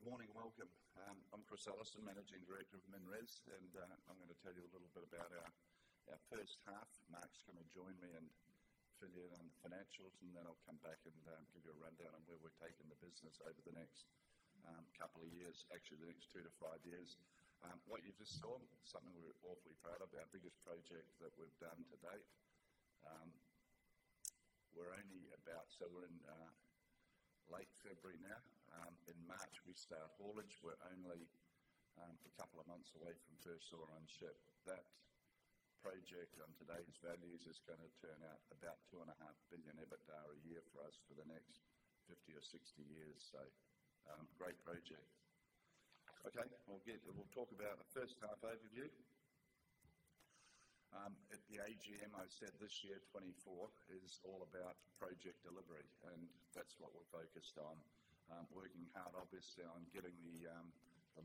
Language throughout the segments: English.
Good morning, welcome. I'm Chris Ellison, Managing Director of MinRes, and I'm going to tell you a little bit about our first half. Mark's going to join me and fill you in on the financials, and then I'll come back and give you a rundown on where we're taking the business over the next couple of years, actually, the next two to five years. What you just saw, something we're awfully proud of, our biggest project that we've done to date. We're only about so we're in late February now. In March we start haulage. We're only a couple of months away from first ore on ship. That project, on today's values, is going to turn out about 2.5 billion EBITDA a year for us for the next 50 or 60 years, so great project. Okay, we'll get we'll talk about the first half overview. At the AGM I said this year 2024 is all about project delivery, and that's what we're focused on, working hard obviously on getting the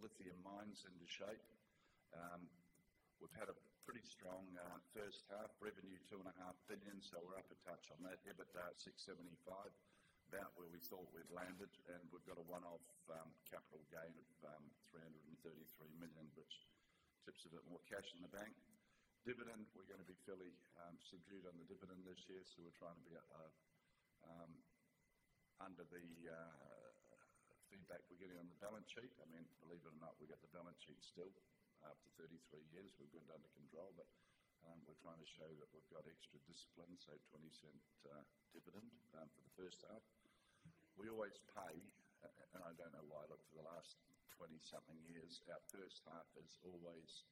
lithium mines into shape. We've had a pretty strong first half, revenue 2.5 billion, so we're up a touch on that. EBITDA at 675 million, about where we thought we'd landed, and we've got a one-off capital gain of 333 million, which tips a bit more cash in the bank. Dividend, we're going to be fairly subdued on the dividend this year, so we're trying to be under the feedback we're getting on the balance sheet. I mean, believe it or not, we've got the balance sheet still after 33 years. We've got it under control, but we're trying to show that we've got extra discipline, so 0.20 dividend for the first half. We always pay—and I don't know why, look, for the last 20-something years our first half is always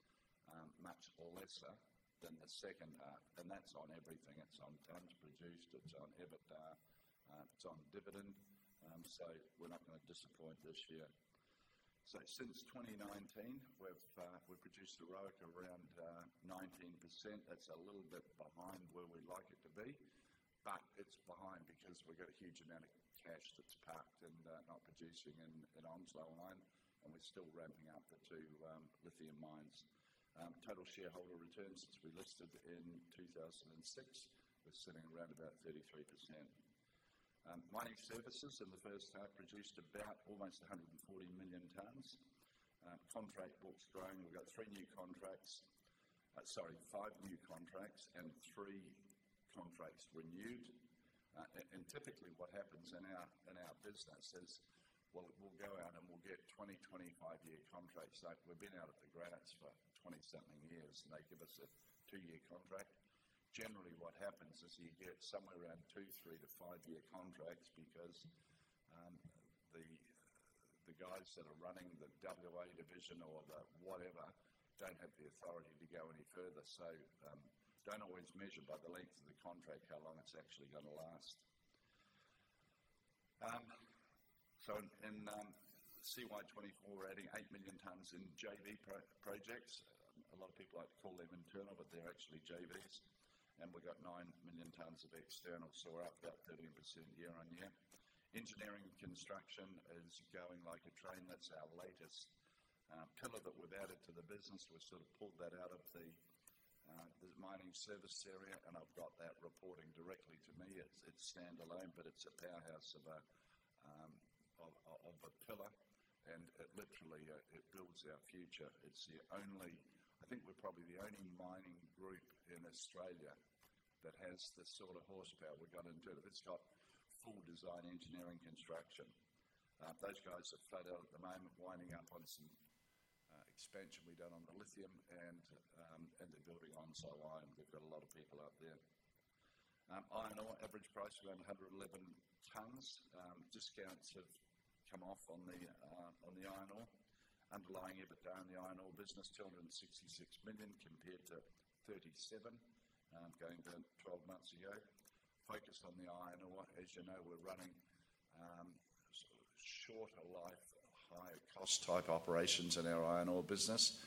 much or lesser than the second half, and that's on everything. It's on tonnes produced, it's on EBITDA, it's on dividend, so we're not going to disappoint this year. So since 2019 we've produced a ROIC around 19%. That's a little bit behind where we'd like it to be, but it's behind because we've got a huge amount of cash that's parked and not producing in Onslow Iron, and we're still ramping up the two lithium mines. Total shareholder returns since we listed in 2006 we're sitting around about 33%. Mining services in the first half produced about almost 140 million tons. Contract book's growing. We've got three new contracts, sorry, five new contracts and three contracts renewed. Typically what happens in our business is, well, we'll go out and we'll get 20-25-year contracts. Like, we've been out at The Granites for 20+ years, and they give us a two-year contract. Generally what happens is you get somewhere around two to five year contracts because the guys that are running the WA division or the whatever don't have the authority to go any further, so don't always measure by the length of the contract how long it's actually going to last. So in CY 2024 we're adding 8 million tons in JV projects. A lot of people like to call them internal, but they're actually JVs, and we've got 9 million tons of external, so we're up about 13% year-on-year. Engineering and construction is going like a train. That's our latest pillar that we've added to the business. We've sort of pulled that out of the, the mining service area, and I've got that reporting directly to me. It's, it's standalone, but it's a powerhouse of a, of, of a pillar, and it literally, it builds our future. It's the only I think we're probably the only mining group in Australia that has this sort of horsepower. We've got in-house. It's got full design engineering construction. Those guys are flat out at the moment winding up on some, expansion we've done on the lithium, and, and they're building Onslow Iron. They've got a lot of people out there. Iron ore average price around 111 tonnes. Discounts have come off on the, on the iron ore. Underlying EBITDA on the iron ore business, 266 million compared to 37 million, going back 12 months ago. Focused on the iron ore. As you know, we're running shorter life, higher cost type operations in our iron ore business,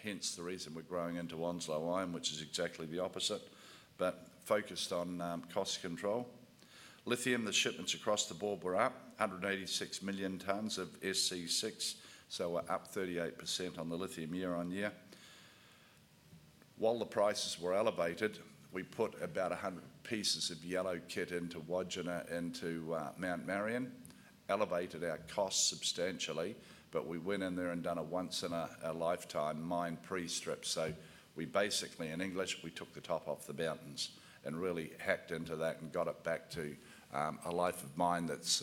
hence the reason we're growing into Onslow Iron, which is exactly the opposite, but focused on cost control. Lithium, the shipments across the board were up 186 million tonnes of SC6, so we're up 38% on the lithium year on year. While the prices were elevated, we put about 100 pieces of yellow kit into Wodgina into Mount Marion, elevated our costs substantially, but we went in there and done a once-in-a-lifetime mine pre-strip, so we basically in English, we took the top off the mountains and really hacked into that and got it back to a life of mine that's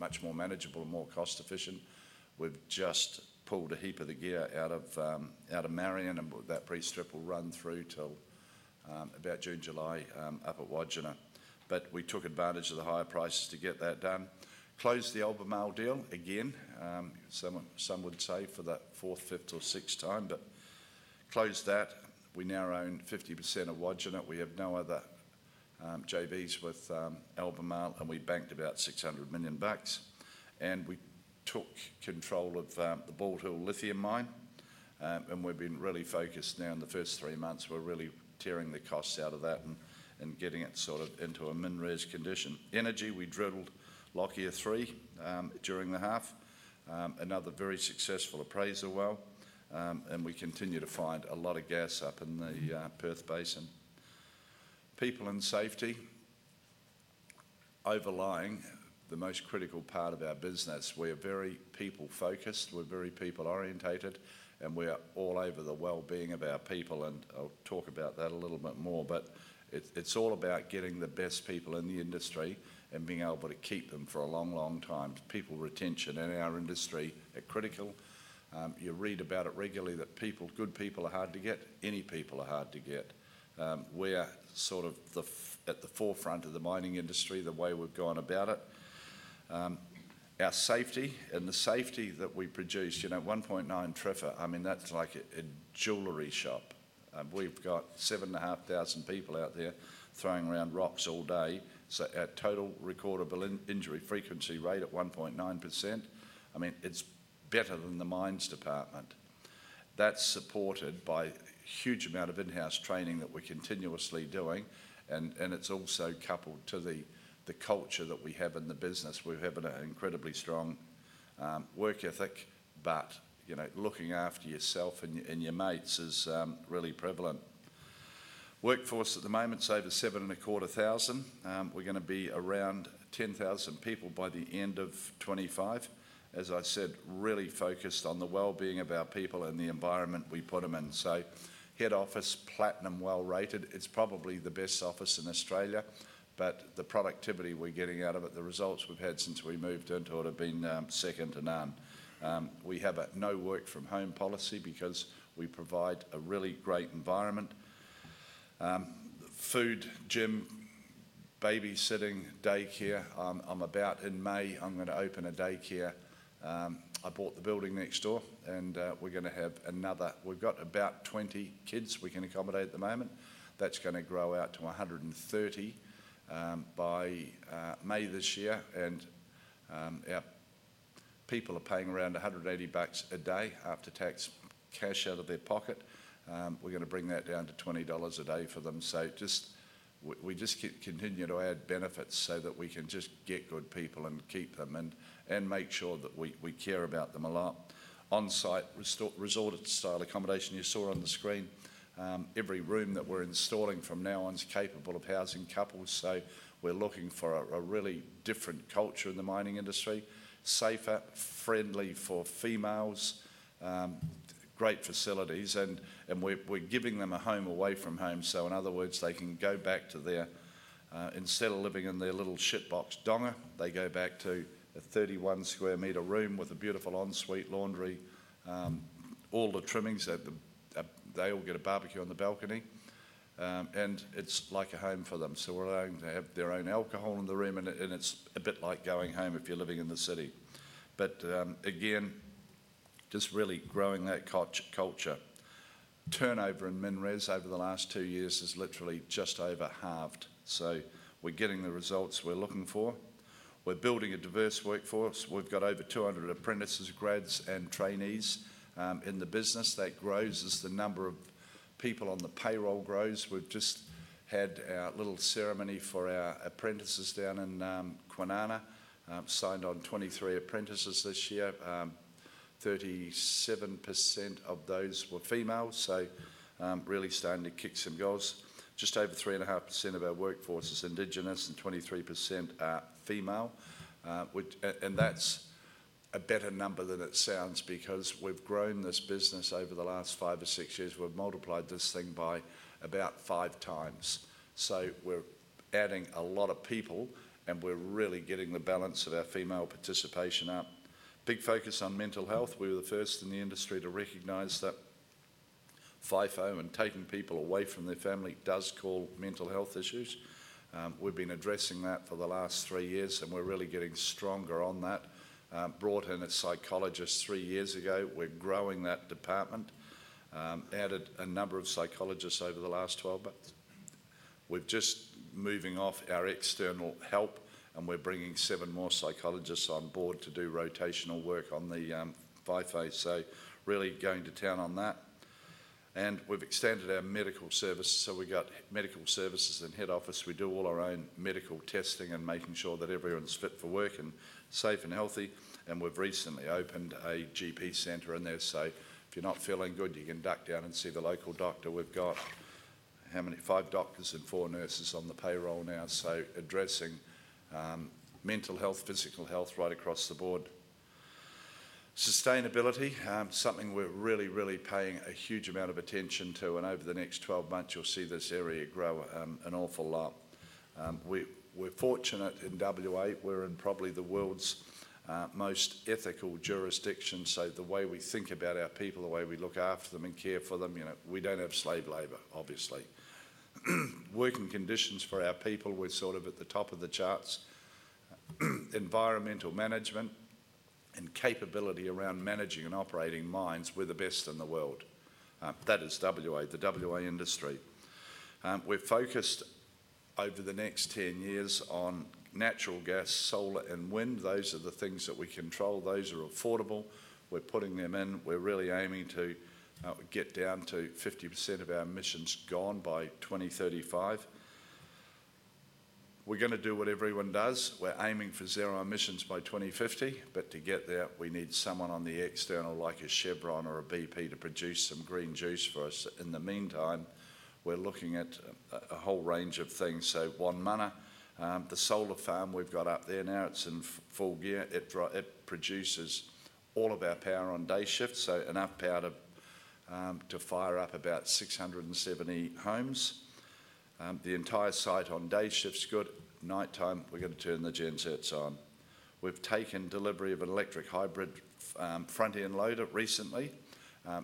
much more manageable and more cost efficient. We've just pulled a heap of the gear out of Mt Marion, and that pre-strip will run through till about June, July, up at Wodgina, but we took advantage of the higher prices to get that done. Closed the Albemarle deal again, someone, some would say for the fourth, fifth, or sixth time, but closed that. We now own 50% of Wodgina. We have no other JVs with Albemarle, and we banked about 600 million bucks, and we took control of the Bald Hill Lithium Mine, and we've been really focused now in the first three months. We're really tearing the costs out of that and getting it sort of into a MinRes condition. Energy, we drilled Lockyer three during the half, another very successful appraiser well, and we continue to find a lot of gas up in the Perth Basin. People and safety. Overlying the most critical part of our business, we are very people-focused. We're very people-oriented, and we are all over the well-being of our people, and I'll talk about that a little bit more, but it's all about getting the best people in the industry and being able to keep them for a long, long time. People retention in our industry are critical. You read about it regularly that people, good people, are hard to get. Any people are hard to get. We are sort of at the forefront of the mining industry, the way we've gone about it. Our safety and the safety that we produce, you know, 1.9 TRIFR, I mean, that's like a jewelry shop. We've got 7,500 people out there throwing around rocks all day, so our total recordable injury frequency rate at 1.9%. I mean, it's better than the mines department. That's supported by a huge amount of in-house training that we're continuously doing, and it's also coupled to the culture that we have in the business. We're having an incredibly strong work ethic, but you know, looking after yourself and your mates is really prevalent. Workforce at the moment's over 7,200. We're going to be around 10,000 people by the end of 2025. As I said, really focused on the well-being of our people and the environment we put them in. So head office, Platinum well rated. It's probably the best office in Australia, but the productivity we're getting out of it, the results we've had since we moved into it have been second to none. We have a no work from home policy because we provide a really great environment: food, gym, babysitting, daycare. I'm about in May. I'm going to open a daycare. I bought the building next door, and we're going to have another. We've got about 20 kids we can accommodate at the moment. That's going to grow out to 130 by May this year, and our people are paying around 180 bucks a day after tax cash out of their pocket. We're going to bring that down to 20 dollars a day for them, so we just keep continuing to add benefits so that we can just get good people and keep them and make sure that we care about them a lot. On-site resort-style accommodation, you saw on the screen. Every room that we're installing from now on's capable of housing couples, so we're looking for a really different culture in the mining industry. Safer, friendly for females, great facilities, and we're giving them a home away from home, so in other words, they can go back to their, instead of living in their little shitbox donger, they go back to a 31 square meter room with a beautiful en-suite laundry, all the trimmings at the, they all get a barbecue on the balcony, and it's like a home for them, so we're allowing to have their own alcohol in the room, and it's a bit like going home if you're living in the city. But, again, just really growing that culture. Turnover in MinRes over the last two years has literally just over halved, so we're getting the results we're looking for. We're building a diverse workforce. We've got over 200 apprentices, grads, and trainees, in the business. That grows as the number of people on the payroll grows. We've just had our little ceremony for our apprentices down in Kwinana, signed on 23 apprentices this year. 37% of those were female, so really starting to kick some goals. Just over 3.5% of our workforce is indigenous, and 23% are female, which and that's a better number than it sounds because we've grown this business over the last five or six years. We've multiplied this thing by about five times, so we're adding a lot of people, and we're really getting the balance of our female participation up. Big focus on mental health. We were the first in the industry to recognize that FIFO and taking people away from their family does cause mental health issues. We've been addressing that for the last three years, and we're really getting stronger on that. Brought in a psychologist three years ago. We're growing that department, added a number of psychologists over the last 12 months. We're just moving off our external help, and we're bringing seven more psychologists on board to do rotational work on the FIFO, so really going to town on that. We've extended our medical services, so we've got medical services in head office. We do all our own medical testing and making sure that everyone's fit for work and safe and healthy, and we've recently opened a GP centre in there, so if you're not feeling good, you can duck down and see the local doctor. We've got how many five doctors and four nurses on the payroll now, so addressing mental health, physical health right across the board. Sustainability, something we're really, really paying a huge amount of attention to, and over the next 12 months you'll see this area grow an awful lot. We, we're fortunate in WA. We're in probably the world's most ethical jurisdiction, so the way we think about our people, the way we look after them and care for them, you know, we don't have slave labor, obviously. Working conditions for our people, we're sort of at the top of the charts. Environmental management and capability around managing and operating mines, we're the best in the world. That is WA, the WA industry. We're focused over the next 10 years on natural gas, solar, and wind. Those are the things that we control. Those are affordable. We're putting them in. We're really aiming to get down to 50% of our emissions gone by 2035. We're going to do what everyone does. We're aiming for zero emissions by 2050, but to get there, we need someone on the external like a Chevron or a BP to produce some green juice for us. In the meantime, we're looking at a whole range of things, so Wonmunna, the solar farm we've got up there now, it's in full gear. It produces all of our power on day shift, so enough power to fire up about 670 homes. The entire site on day shift's good. Nighttime, we're going to turn the gensets on. We've taken delivery of an electric hybrid front end loader recently,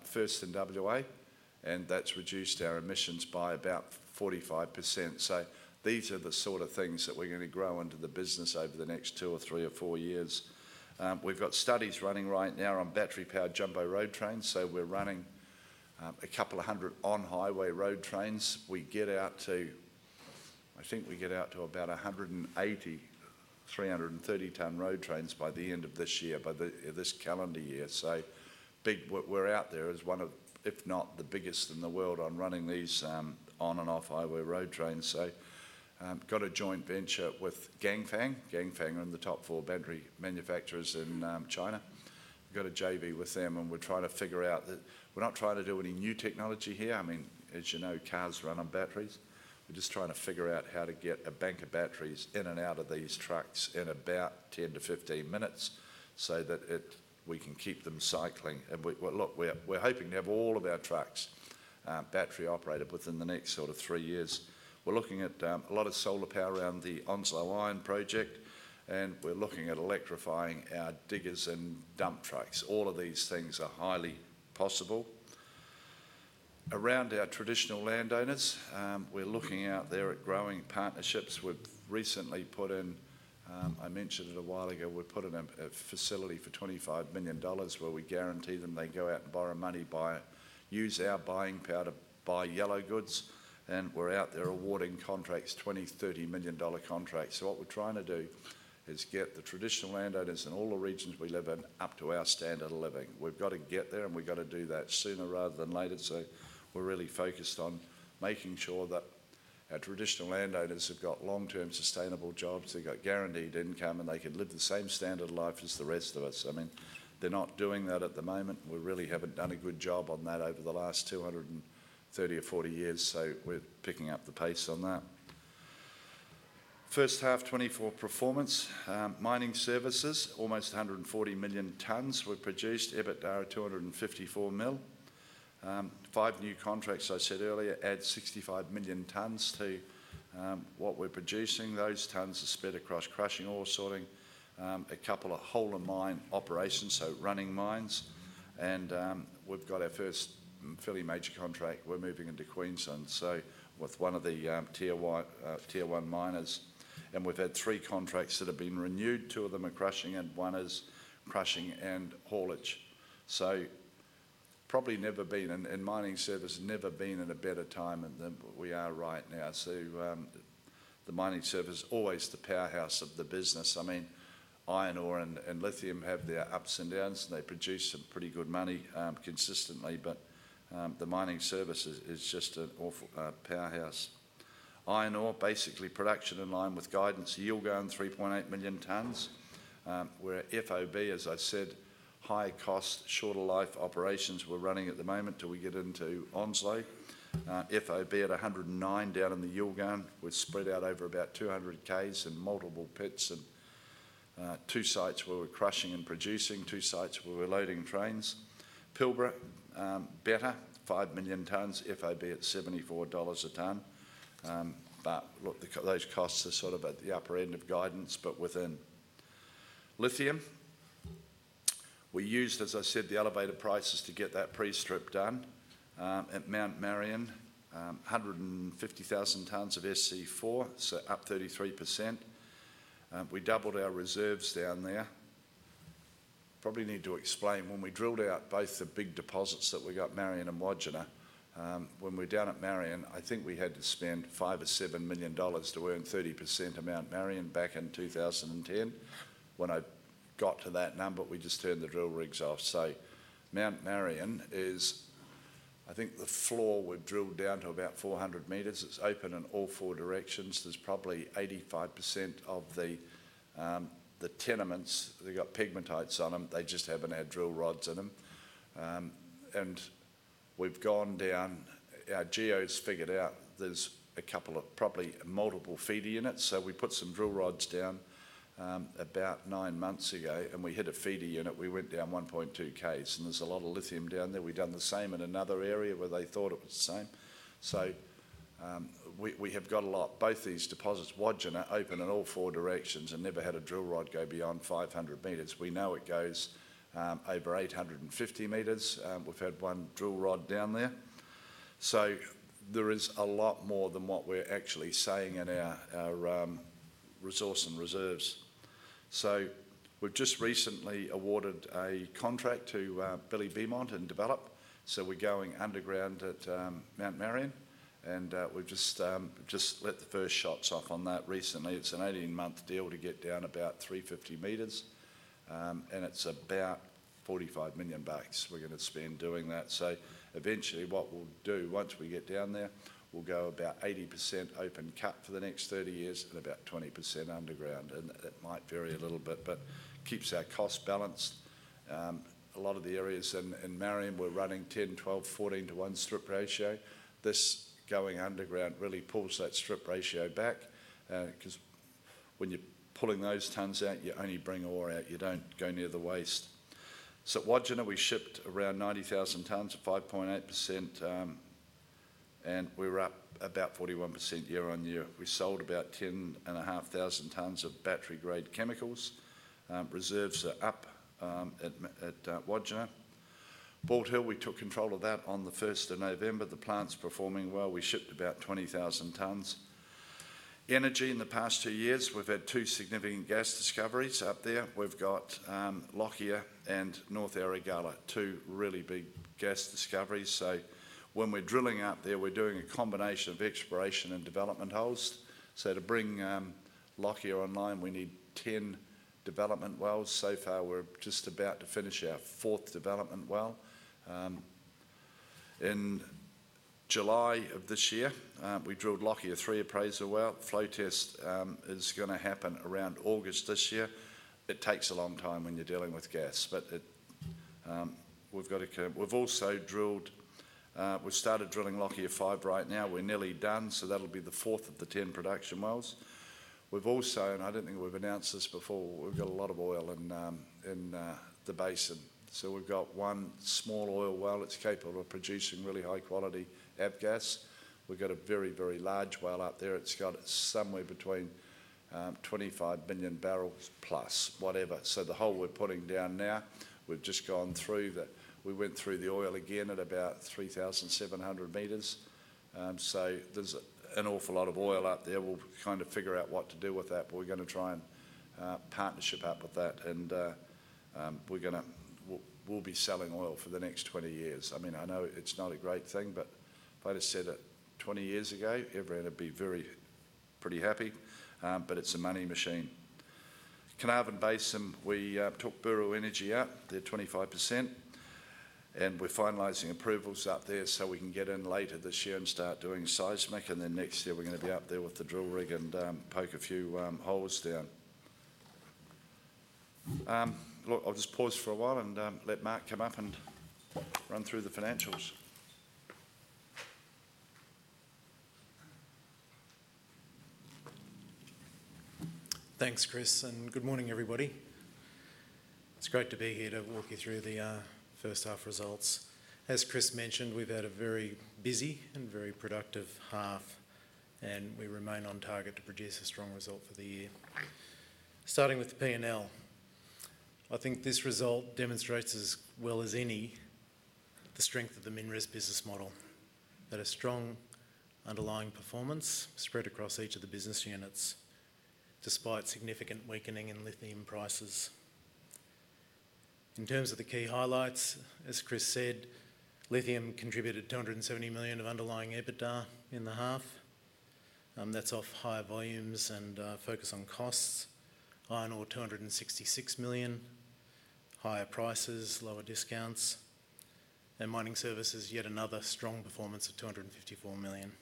first in WA, and that's reduced our emissions by about 45%, so these are the sort of things that we're going to grow into the business over the next two or three or four years. We've got studies running right now on battery-powered jumbo road trains, so we're running a couple of hundred on-highway road trains. We get out to I think we get out to about 180, 330-tonne road trains by the end of this year, by the this calendar year, so big we're out there as one of, if not the biggest in the world on running these, on and off-highway road trains, so got a joint venture with Ganfeng. Ganfeng are in the top four battery manufacturers in China. We've got a JV with them, and we're trying to figure out that we're not trying to do any new technology here. I mean, as you know, cars run on batteries. We're just trying to figure out how to get a bank of batteries in and out of these trucks in about 10-15 minutes so that we can keep them cycling, and we look, we're hoping to have all of our trucks, battery operated within the next sort of 3 years. We're looking at a lot of solar power around the Onslow Iron project, and we're looking at electrifying our diggers and dump trucks. All of these things are highly possible. Around our traditional landowners, we're looking out there at growing partnerships. We've recently put in, I mentioned it a while ago, we've put in a facility for 25 million dollars where we guarantee them they go out and borrow money, buy, use our buying power to buy yellow goods, and we're out there awarding contracts, 20 million, 30 million dollar contracts. So what we're trying to do is get the traditional landowners in all the regions we live in up to our standard of living. We've got to get there, and we've got to do that sooner rather than later, so we're really focused on making sure that our traditional landowners have got long-term sustainable jobs, they've got guaranteed income, and they can live the same standard of life as the rest of us. I mean, they're not doing that at the moment. We really haven't done a good job on that over the last 230 or 40 years, so we're picking up the pace on that. First half 2024 performance. Mining Services, almost 140 million tonnes were produced. EBITDA, 254 million. Five new contracts I said earlier add 65 million tonnes to what we're producing. Those tons are spread across crushing, ore sorting, a couple of haul-and-mine operations, so running mines, and we've got our first fairly major contract. We're moving into Queensland, so with one of the tier one, tier one miners, and we've had three contracts that have been renewed, two of them are crushing and one is crushing and haulage. So probably never been in mining services never been in a better time than we are right now, so the mining services is always the powerhouse of the business. I mean, iron ore and lithium have their ups and downs, and they produce some pretty good money consistently, but the mining services is just an awful powerhouse. Iron ore, basically production in line with guidance. Yilgarn 3.8 million tons. We're FOB, as I said, high cost, shorter life operations we're running at the moment till we get into Onslow. FOB at $109 down in the Yilgarn. We're spread out over about 200 k's in multiple pits and, two sites where we're crushing and producing, two sites where we're loading trains. Pilbara, better, 5 million tonnes, FOB at $74 a tonne, but look, the those costs are sort of at the upper end of guidance but within. Lithium, we used, as I said, the elevated prices to get that pre-strip done. At Mt Marion, 150,000 tonnes of SC4, so up 33%. We doubled our reserves down there. Probably need to explain. When we drilled out both the big deposits that we got at Mt Marion and Wodgina, when we were down at Mt Marion, I think we had to spend $5 or $7 million to earn 30% of Mt Marion back in 2010. When I got to that number, we just turned the drill rigs off, so Mount Marion is, I think, the floor we've drilled down to about 400 meters. It's open in all four directions. There's probably 85% of the, the tenements, they've got pegmatites on them, they just haven't had drill rods in them. and we've gone down our geo's figured out there's a couple of probably multiple feeder units, so we put some drill rods down, about nine months ago, and we hit a feeder unit. We went down 1.2 k's, and there's a lot of lithium down there. We've done the same in another area where they thought it was the same, so, we we have got a lot. Both these deposits, Wodgina, open in all four directions and never had a drill rod go beyond 500 meters. We know it goes, over 850 meters. We've had one drill rod down there. So there is a lot more than what we're actually saying in our resource and reserves. So we've just recently awarded a contract to Bill Beament and Develop, so we're going underground at Mount Marion, and we've just let the first shots off on that recently. It's an 18-month deal to get down about 350 meters, and it's about 45 million bucks we're going to spend doing that, so eventually what we'll do once we get down there, we'll go about 80% open cut for the next 30 years and about 20% underground, and that might vary a little bit, but keeps our cost balanced. A lot of the areas in Marion, we're running 10, 12, 14 to 1 strip ratio. This going underground really pulls that strip ratio back, because when you're pulling those tons out, you only bring ore out. You don't go near the waste. So at Wodgina, we shipped around 90,000 tons, a 5.8%, and we were up about 41% year-on-year. We sold about 10,500 tons of battery-grade chemicals. Reserves are up at Wodgina. Bald Hill, we took control of that on the 1st of November. The plant's performing well. We shipped about 20,000 tons. Energy in the past two years, we've had two significant gas discoveries up there. We've got Locklea and North Erregulla, two really big gas discoveries, so when we're drilling up there, we're doing a combination of exploration and development holes, so to bring Locklea online, we need 10 development wells. So far, we're just about to finish our fourth development well. In July of this year, we drilled Locklea, three appraisal wells. Flow test is going to happen around August this year. It takes a long time when you're dealing with gas, but we've also started drilling Locklea five right now. We're nearly done, so that'll be the fourth of the 10 production wells. We've also, and I don't think we've announced this before, we've got a lot of oil in the basin, so we've got one small oil well. It's capable of producing really high-quality AVGAS. We've got a very, very large well up there. It's got somewhere between 25 million barrels plus, whatever, so the hole we're putting down now, we've just gone through the – we went through the oil again at about 3,700 meters, so there's an awful lot of oil up there. We'll kind of figure out what to do with that, but we're going to try and partner up with that, and we'll be selling oil for the next 20 years. I mean, I know it's not a great thing, but if I'd have said it 20 years ago, everyone would be very pretty happy, but it's a money machine. Carnarvon Basin, we took Buru Energy up. They're 25%, and we're finalizing approvals up there so we can get in later this year and start doing seismic, and then next year we're going to be up there with the drill rig and poke a few holes down. Look, I'll just pause for a while and let Mark come up and run through the financials. Thanks, Chris, and good morning, everybody. It's great to be here to walk you through the first-half results. As Chris mentioned, we've had a very busy and very productive half, and we remain on target to produce a strong result for the year. Starting with the P&L, I think this result demonstrates as well as any the strength of the MinRes business model, that a strong underlying performance spread across each of the business units despite significant weakening in lithium prices. In terms of the key highlights, as Chris said, lithium contributed 270 million of underlying EBITDA in the half. That's off higher volumes and focus on costs. Iron ore, 266 million. Higher prices, lower discounts. And mining services, yet another strong performance of 254 million.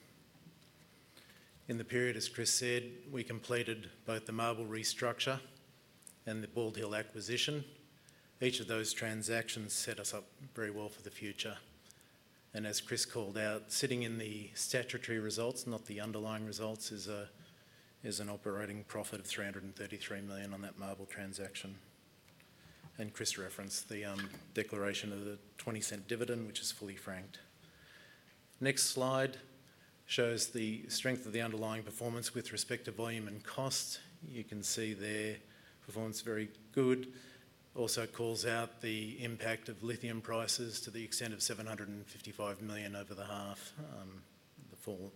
In the period, as Chris said, we completed both the MARBL restructure and the Bald Hill acquisition. Each of those transactions set us up very well for the future. As Chris called out, sitting in the statutory results, not the underlying results, is an operating profit of 333 million on that MARBL transaction. Chris referenced the declaration of the 0.20 dividend, which is fully franked. Next slide shows the strength of the underlying performance with respect to volume and costs. You can see their performance very good. Also calls out the impact of lithium prices to the extent of 755 million over the half, the full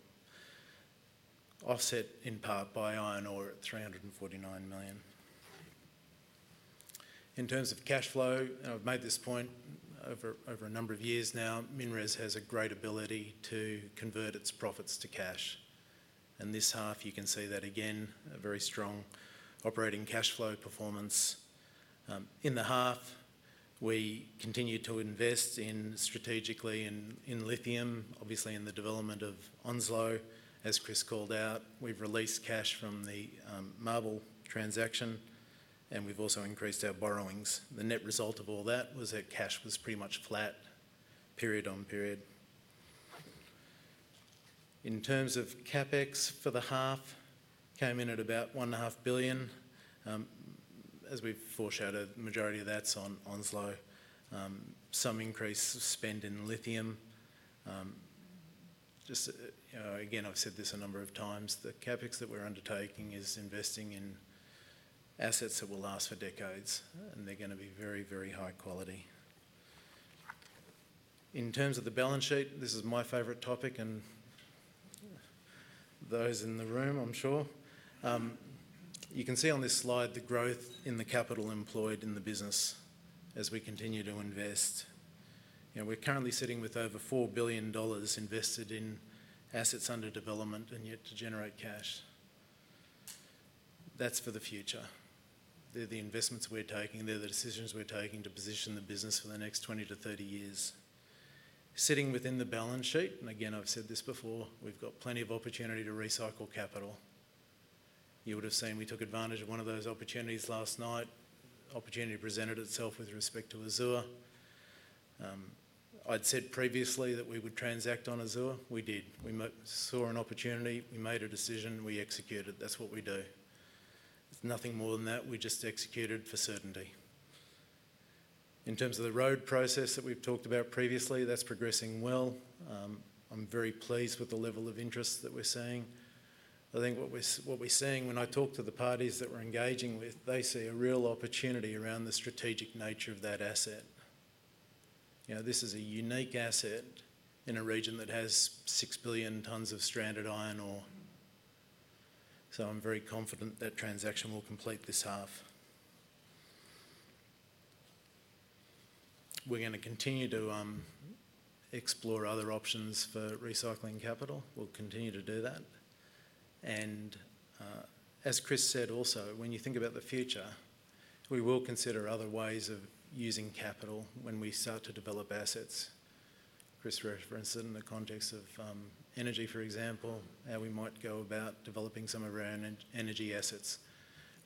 offset in part by iron ore at 349 million. In terms of cash flow, and I've made this point over a number of years now, MinRes has a great ability to convert its profits to cash. This half, you can see that again, a very strong operating cash flow performance. In the half, we continue to invest in strategically in lithium, obviously in the development of Onslow, as Chris called out. We've released cash from the MARBL transaction, and we've also increased our borrowings. The net result of all that was that cash was pretty much flat period on period. In terms of CapEx for the half, came in at about 1.5 billion. As we've foreshadowed, the majority of that's on Onslow. Some increased spend in lithium. Just, you know, again, I've said this a number of times, the CapEx that we're undertaking is investing in assets that will last for decades, and they're going to be very, very high quality. In terms of the balance sheet, this is my favorite topic, and those in the room, I'm sure. You can see on this slide the growth in the capital employed in the business as we continue to invest. You know, we're currently sitting with over 4 billion dollars invested in assets under development and yet to generate cash. That's for the future. They're the investments we're taking. They're the decisions we're taking to position the business for the next 20-30 years. Sitting within the balance sheet, and again, I've said this before, we've got plenty of opportunity to recycle capital. You would have seen we took advantage of one of those opportunities last night. Opportunity presented itself with respect to Azoa. I'd said previously that we would transact on Azoa. We did. We saw an opportunity. We made a decision. We executed. That's what we do. It's nothing more than that. We just executed for certainty. In terms of the road process that we've talked about previously, that's progressing well. I'm very pleased with the level of interest that we're seeing. I think what we're seeing when I talk to the parties that we're engaging with, they see a real opportunity around the strategic nature of that asset. You know, this is a unique asset in a region that has 6 billion tonnes of stranded iron ore. So I'm very confident that transaction will complete this half. We're going to continue to explore other options for recycling capital. We'll continue to do that. And as Chris said also, when you think about the future, we will consider other ways of using capital when we start to develop assets. Chris referenced it in the context of energy, for example, how we might go about developing some of our energy assets.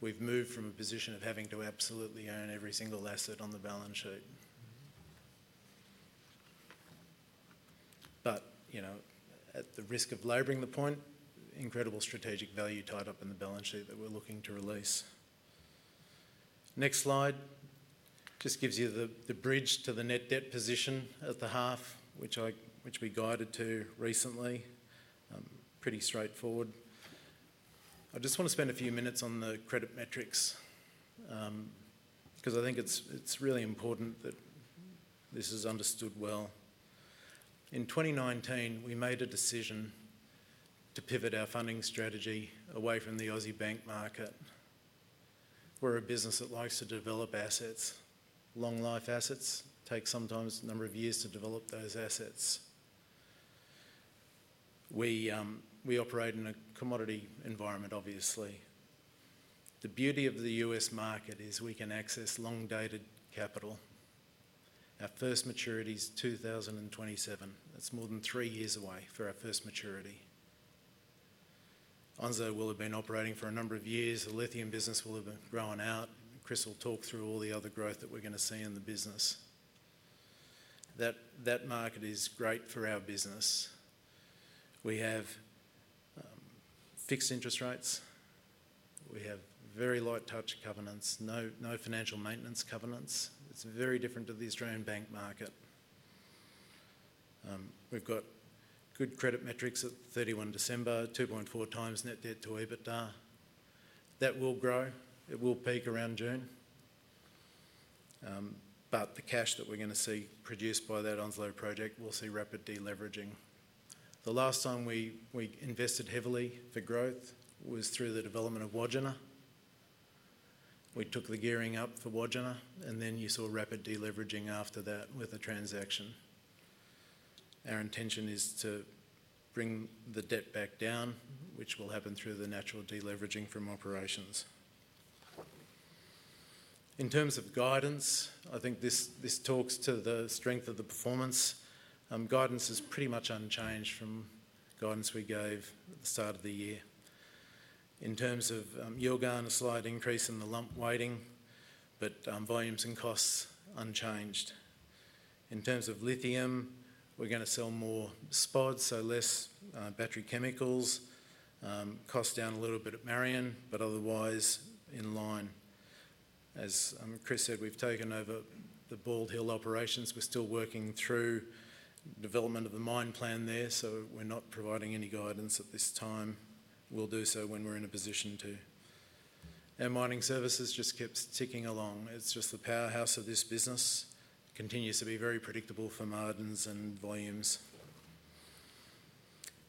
We've moved from a position of having to absolutely own every single asset on the balance sheet. But, you know, at the risk of laboring the point, incredible strategic value tied up in the balance sheet that we're looking to release. Next slide just gives you the bridge to the net debt position at the half, which we guided to recently. Pretty straightforward. I just want to spend a few minutes on the credit metrics because I think it's really important that this is understood well. In 2019, we made a decision to pivot our funding strategy away from the Aussie bank market. We're a business that likes to develop assets. Long-life assets take sometimes a number of years to develop those assets. We operate in a commodity environment, obviously. The beauty of the U.S. market is we can access long-dated capital. Our first maturity is 2027. That's more than three years away for our first maturity. Onslow will have been operating for a number of years. The lithium business will have been growing out. Chris will talk through all the other growth that we're going to see in the business. That market is great for our business. We have fixed interest rates. We have very light touch covenants. No financial maintenance covenants. It's very different to the Australian bank market. We've got good credit metrics at 31 December, 2.4 times net debt to EBITDA. That will grow. It will peak around June. But the cash that we're going to see produced by that Onslow project, we'll see rapid deleveraging. The last time we invested heavily for growth was through the development of Wodgina. We took the gearing up for Wodgina, and then you saw rapid deleveraging after that with a transaction. Our intention is to bring the debt back down, which will happen through the natural deleveraging from operations. In terms of guidance, I think this talks to the strength of the performance. Guidance is pretty much unchanged from guidance we gave at the start of the year. In terms of Yilgarn, a slight increase in the lump weighting, but volumes and costs unchanged. In terms of lithium, we're going to sell more spods, so less battery chemicals. Cost down a little bit at Mt. Marion, but otherwise in line. As Chris said, we've taken over the Bald Hill operations. We're still working through development of the mine plan there, so we're not providing any guidance at this time. We'll do so when we're in a position to. Our mining services just kept ticking along. It's just the powerhouse of this business. Continues to be very predictable for margins and volumes.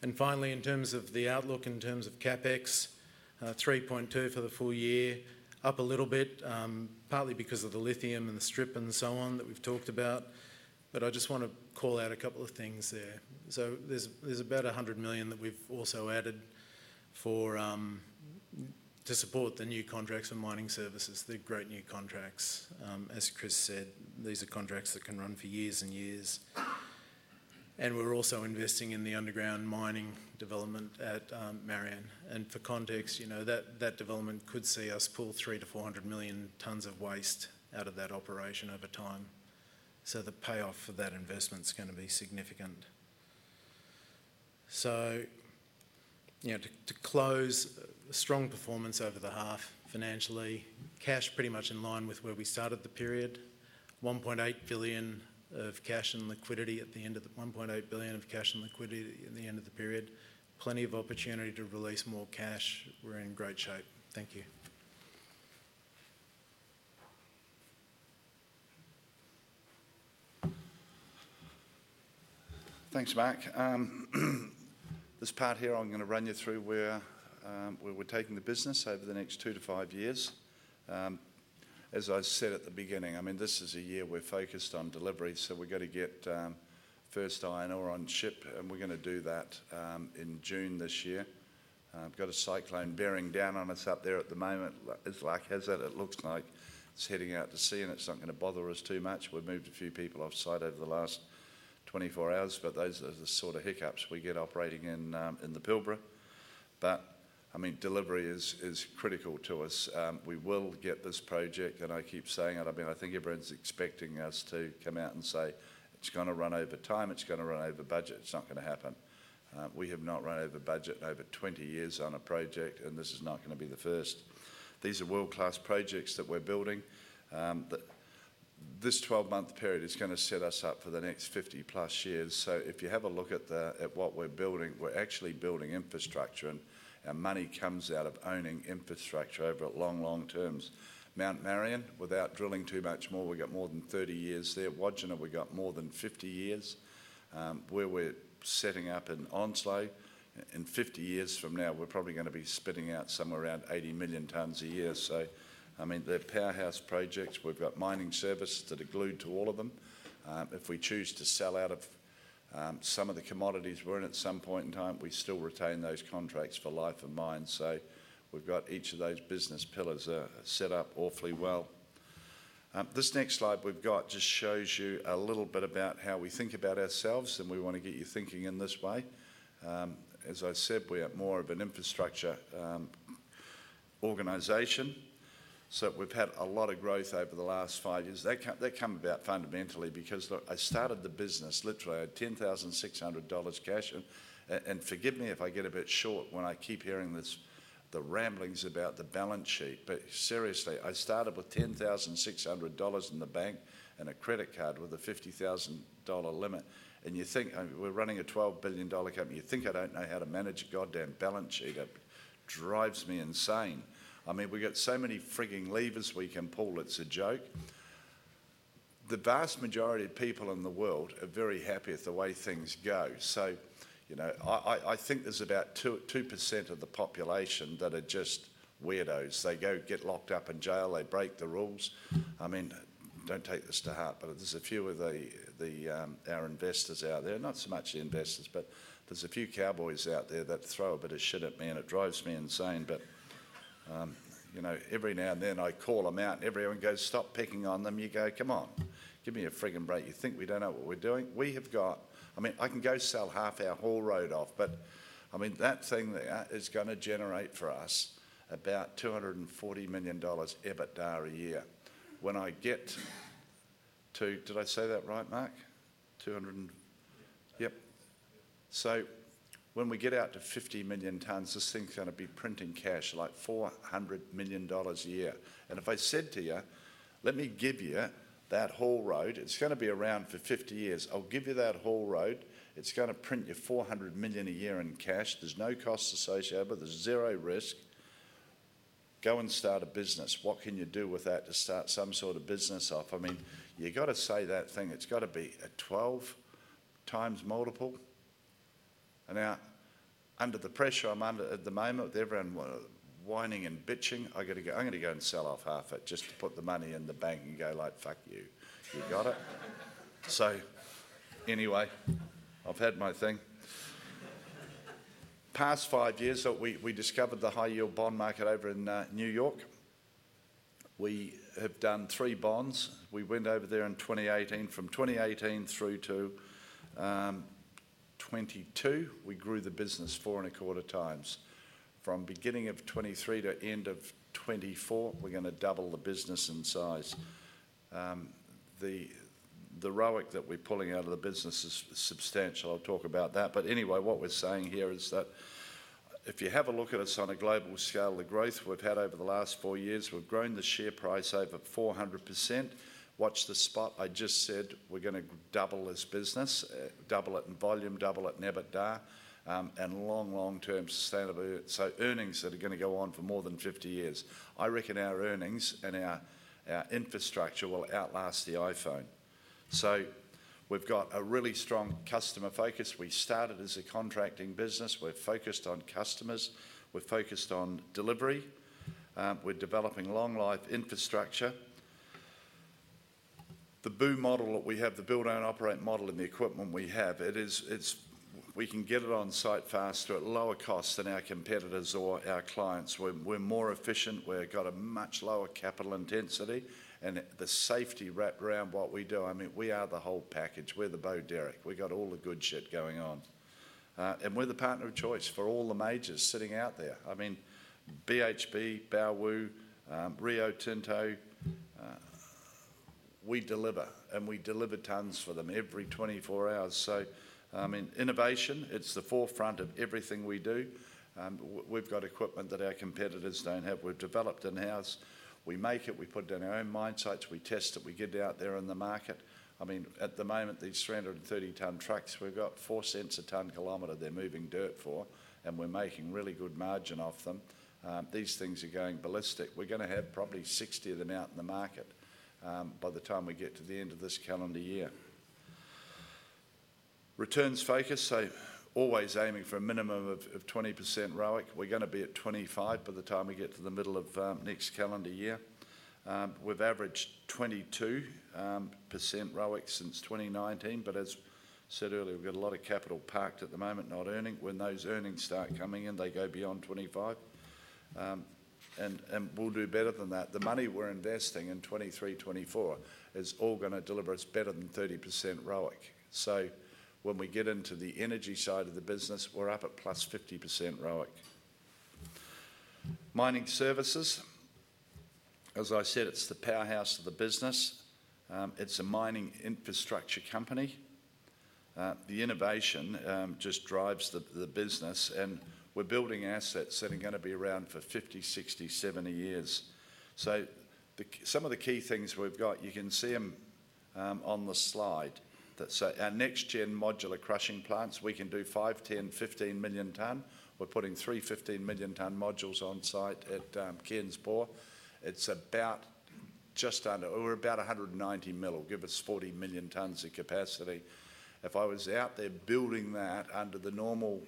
And finally, in terms of the outlook, in terms of CapEx, 3.2 billion for the full year, up a little bit, partly because of the lithium and the strip and so on that we've talked about. But I just want to call out a couple of things there. So there's about 100 million that we've also added for to support the new contracts for mining services. They're great new contracts. As Chris said, these are contracts that can run for years and years. And we're also investing in the underground mining development at Mt. Marion. And for context, you know, that development could see us pull 300-400 million tons of waste out of that operation over time. So the payoff for that investment is going to be significant. So, you know, to close, a strong performance over the half financially. Cash pretty much in line with where we started the period. 1.8 billion of cash and liquidity at the end of the 1.8 billion of cash and liquidity at the end of the period. Plenty of opportunity to release more cash. We're in great shape. Thank you. Thanks, Mark. This part here I'm going to run you through where we're taking the business over the next 2-5 years. As I said at the beginning, I mean, this is a year we're focused on delivery, so we've got to get first iron ore on ship, and we're going to do that in June this year. I've got a cyclone bearing down on us up there at the moment. As luck has it, it looks like it's heading out to sea, and it's not going to bother us too much. We've moved a few people off site over the last 24 hours, but those are the sort of hiccups we get operating in the Pilbara. But, I mean, delivery is critical to us. We will get this project, and I keep saying it. I mean, I think everyone's expecting us to come out and say it's going to run over time. It's going to run over budget. It's not going to happen. We have not run over budget over 20 years on a project, and this is not going to be the first. These are world-class projects that we're building. This 12-month period is going to set us up for the next 50+ years. So if you have a look at what we're building, we're actually building infrastructure, and our money comes out of owning infrastructure over long, long terms. Mount Marion, without drilling too much more, we've got more than 30 years there. Wodgina, we've got more than 50 years. Where we're setting up in Onslow, in 50 years from now, we're probably going to be spitting out somewhere around 80 million tonnes a year. So, I mean, they're powerhouse projects. We've got mining services that are glued to all of them. If we choose to sell out of some of the commodities we're in at some point in time, we still retain those contracts for life and mine. So we've got each of those business pillars set up awfully well. This next slide we've got just shows you a little bit about how we think about ourselves, and we want to get you thinking in this way. As I said, we are more of an infrastructure organization. So we've had a lot of growth over the last five years. That comes about fundamentally because I started the business literally at 10,600 dollars cash. And forgive me if I get a bit short when I keep hearing this the ramblings about the balance sheet. But seriously, I started with 10,600 dollars in the bank and a credit card with a 50,000 dollar limit. And you think we're running a 12 billion dollar company. You think I don't know how to manage a goddamn balance sheet. It drives me insane. I mean, we've got so many frigging levers we can pull. It's a joke. The vast majority of people in the world are very happy with the way things go. So, you know, I think there's about 2% of the population that are just weirdos. They go get locked up in jail. They break the rules. I mean, don't take this to heart, but there's a few of the our investors out there. Not so much the investors, but there's a few cowboys out there that throw a bit of shit at me. And it drives me insane. But, you know, every now and then I call them out and everyone goes, stop picking on them. You go, come on, give me a frigging break. You think we don't know what we're doing? We have got I mean, I can go sell half our haul road off, but I mean, that thing there is going to generate for us about 240 million dollars EBITDA a year. When I get to did I say that right, Mark? 200? Yep. So when we get out to 50 million tonnes, this thing is going to be printing cash like 400 million dollars a year. And if I said to you, let me give you that haul road. It's going to be around for 50 years. I'll give you that haul road. It's going to print you $400 million a year in cash. There's no costs associated with it. There's zero risk. Go and start a business. What can you do with that to start some sort of business off? I mean, you've got to say that thing. It's got to be a 12x multiple. And now, under the pressure I'm under at the moment with everyone whining and bitching, I've got to go I'm going to go and sell off half it just to put the money in the bank and go like, fuck you. You got it? So anyway, I've had my thing. Past 5 years, we discovered the high-yield bond market over in New York. We have done 3 bonds. We went over there in 2018. From 2018 through to 2022, we grew the business 4.25 times. From beginning of 2023 to end of 2024, we're going to double the business in size. The ROIC that we're pulling out of the business is substantial. I'll talk about that. But anyway, what we're saying here is that if you have a look at us on a global scale, the growth we've had over the last four years, we've grown the share price over 400%. Watch the SPOT. I just said we're going to double as business, double it in volume, double it in EBITDA, and long, long-term sustainability. So earnings that are going to go on for more than 50 years. I reckon our earnings and our infrastructure will outlast the iPhone. So we've got a really strong customer focus. We started as a contracting business. We're focused on customers. We're focused on delivery. We're developing long-life infrastructure. The BOO model that we have, the build-own-operate model and the equipment we have, it is we can get it on site faster at lower costs than our competitors or our clients. We're more efficient. We've got a much lower capital intensity and the safety wraparound what we do. I mean, we are the whole package. We're the Bo Derek. We've got all the good shit going on. And we're the partner of choice for all the majors sitting out there. I mean, BHP, Baowu, Rio Tinto. We deliver, and we deliver tons for them every 24 hours. So, I mean, innovation, it's the forefront of everything we do. We've got equipment that our competitors don't have. We've developed in-house. We make it. We put it in our own mine sites. We test it. We get it out there in the market. I mean, at the moment, these 330-tonne trucks, we've got 0.04 per tonne kilometer they're moving dirt for, and we're making really good margin off them. These things are going ballistic. We're going to have probably 60 of them out in the market by the time we get to the end of this calendar year. Returns focus. So always aiming for a minimum of 20% ROIC. We're going to be at 25% by the time we get to the middle of next calendar year. We've averaged 22% ROIC since 2019, but as said earlier, we've got a lot of capital parked at the moment, not earning. When those earnings start coming in, they go beyond 25%. And we'll do better than that. The money we're investing in 2023, 2024 is all going to deliver us better than 30% ROIC. So when we get into the energy side of the business, we're up at +50% ROIC. Mining services. As I said, it's the powerhouse of the business. It's a mining infrastructure company. The innovation just drives the business, and we're building assets that are going to be around for 50, 60, 70 years. So some of the key things we've got, you can see them on the slide. So our next-gen modular crushing plants, we can do 5, 10, 15 million tonnes. We're putting three 15 million tonne modules on site at Ken's Bore. It's about just under, we're about 190 million. We'll give us 40 million tonnes of capacity. If I was out there building that under the normal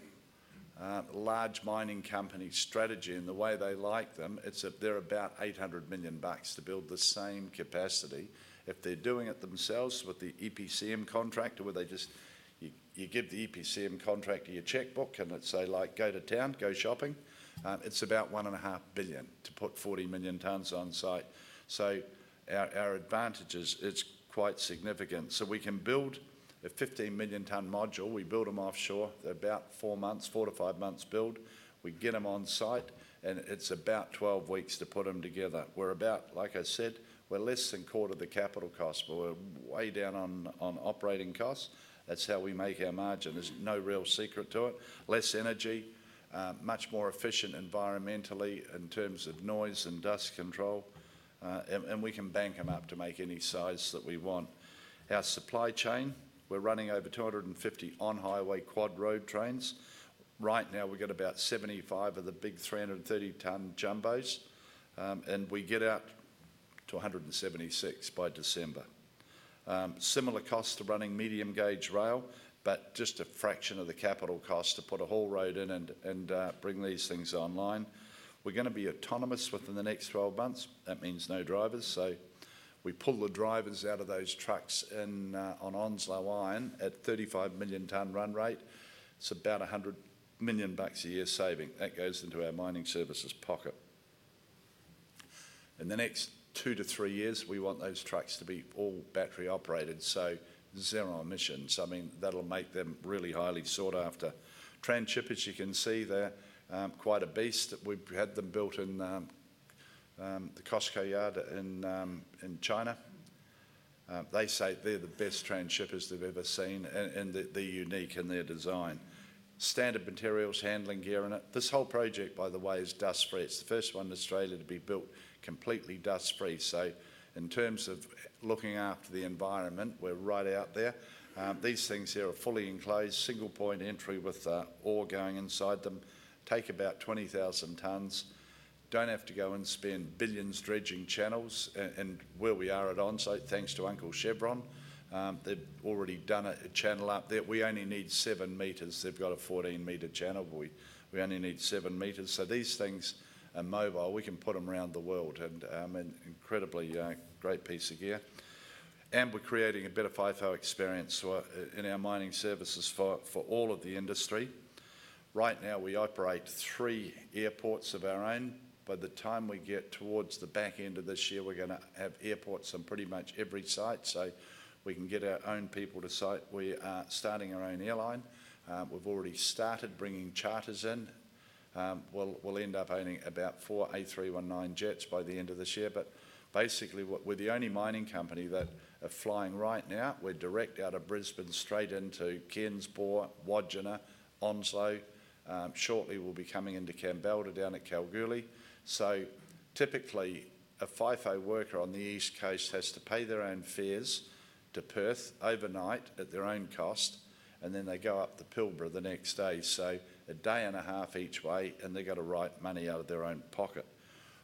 large mining company strategy and the way they like them, it's about 800 million bucks to build the same capacity. If they're doing it themselves with the EPCM contractor, where they just you give the EPCM contractor your checkbook and it's, say, like, go to town, go shopping, it's about 1.5 billion to put 40 million tonnes on site. So our advantages, it's quite significant. So we can build a 15 million tonne module. We build them offshore. They're about 4 months, 4-5 months build. We get them on site, and it's about 12 weeks to put them together. We're about, like I said, we're less than a quarter of the capital costs, but we're way down on operating costs. That's how we make our margin. There's no real secret to it. Less energy, much more efficient environmentally in terms of noise and dust control. And we can bank them up to make any size that we want. Our supply chain, we're running over 250 on-highway quad-road trains. Right now, we've got about 75 of the big 330-tonne jumbos, and we get out to 176 by December. Similar cost to running medium gauge rail, but just a fraction of the capital cost to put a haul road in and bring these things online. We're going to be autonomous within the next 12 months. That means no drivers. So we pull the drivers out of those trucks on Onslow Iron at 35 million tonne run rate. It's about 100 million bucks a year saving. That goes into our mining services pocket. In the next 2-3 years, we want those trucks to be all battery operated, so zero emissions. I mean, that'll make them really highly sought after. Transhippers, you can see there, quite a beast. We've had them built in the COSCO yard in China. They say they're the best transhippers they've ever seen, and they're unique in their design. Standard materials, handling gear in it. This whole project, by the way, is dust-free. It's the first one in Australia to be built completely dust-free. So in terms of looking after the environment, we're right out there. These things here are fully enclosed, single point entry with ore going inside them. Take about 20,000 tons. Don't have to go and spend billions dredging channels. And where we are at Onslow, thanks to Uncle Chevron, they've already done a channel up there. We only need 7 meters. They've got a 14-meter channel. We only need 7 meters. So these things are mobile. We can put them around the world. And, I mean, incredibly great piece of gear. And we're creating a better FIFO experience in our mining services for all of the industry. Right now, we operate 3 airports of our own. By the time we get towards the back end of this year, we're going to have airports on pretty much every site. So we can get our own people to site. We are starting our own airline. We've already started bringing charters in. We'll end up owning about 4 A319 jets by the end of this year. But basically, we're the only mining company that are flying right now. We're direct out of Brisbane, straight into Cairns Borough, Wodgina, Onslow. Shortly, we'll be coming into Kambalda down at Kalgoorlie. So typically, a FIFO worker on the East Coast has to pay their own fares to Perth overnight at their own cost, and then they go up to Pilbara the next day. So a day and a half each way, and they've got to write money out of their own pocket.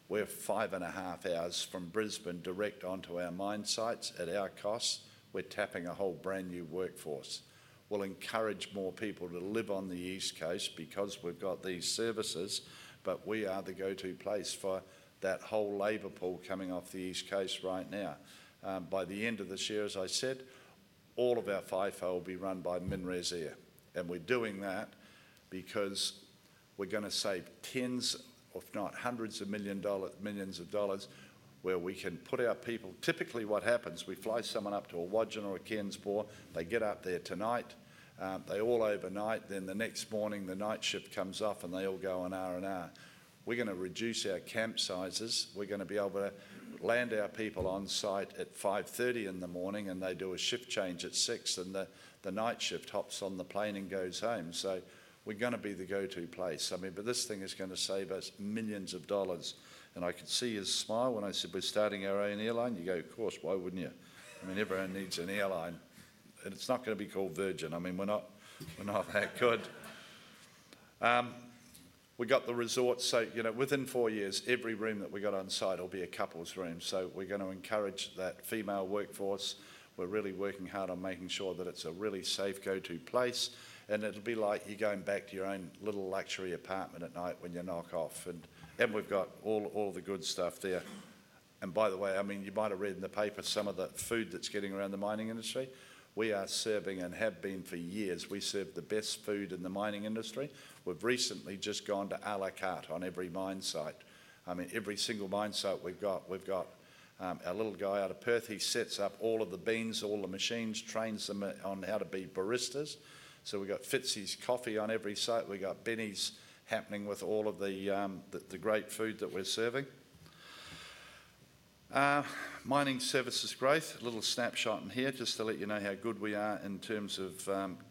We're 5.5 hours from Brisbane direct onto our mine sites at our cost. We're tapping a whole brand new workforce. We'll encourage more people to live on the East Coast because we've got these services, but we are the go-to place for that whole labor pool coming off the East Coast right now. By the end of this year, as I said, all of our FIFO will be run by MinRes Air. And we're doing that because we're going to save tens, if not hundreds, of millions of AUD where we can put our people. Typically what happens, we fly someone up to a Wodgina or a Cairns Borough, they get up there tonight, they're all overnight, then the next morning the night shift comes off and they all go an hour an hour. We're going to reduce our camp sizes. We're going to be able to land our people on site at 5:30 A.M. and they do a shift change at 6:00 A.M. and the night shift hops on the plane and goes home. So we're going to be the go-to place. I mean, but this thing is going to save us millions dollars. And I could see his smile when I said, "We're starting our own airline." You go, "Of course. Why wouldn't you?" I mean, everyone needs an airline. And it's not going to be called Virgin. I mean, we're not that good. We've got the resort. So, you know, within 4 years, every room that we've got on site will be a couple's room. So we're going to encourage that female workforce. We're really working hard on making sure that it's a really safe go-to place. It'll be like you're going back to your own little luxury apartment at night when you knock off. We've got all the good stuff there. By the way, I mean, you might have read in the paper some of the food that's getting around the mining industry. We are serving and have been for years. We serve the best food in the mining industry. We've recently just gone to à la carte on every mine site. I mean, every single mine site we've got, we've got our little guy out of Perth. He sets up all of the beans, all the machines, trains them on how to be baristas. So we've got Fitzie's coffee on every site. We've got Benny's happening with all of the great food that we're serving. Mining services growth, a little snapshot in here just to let you know how good we are in terms of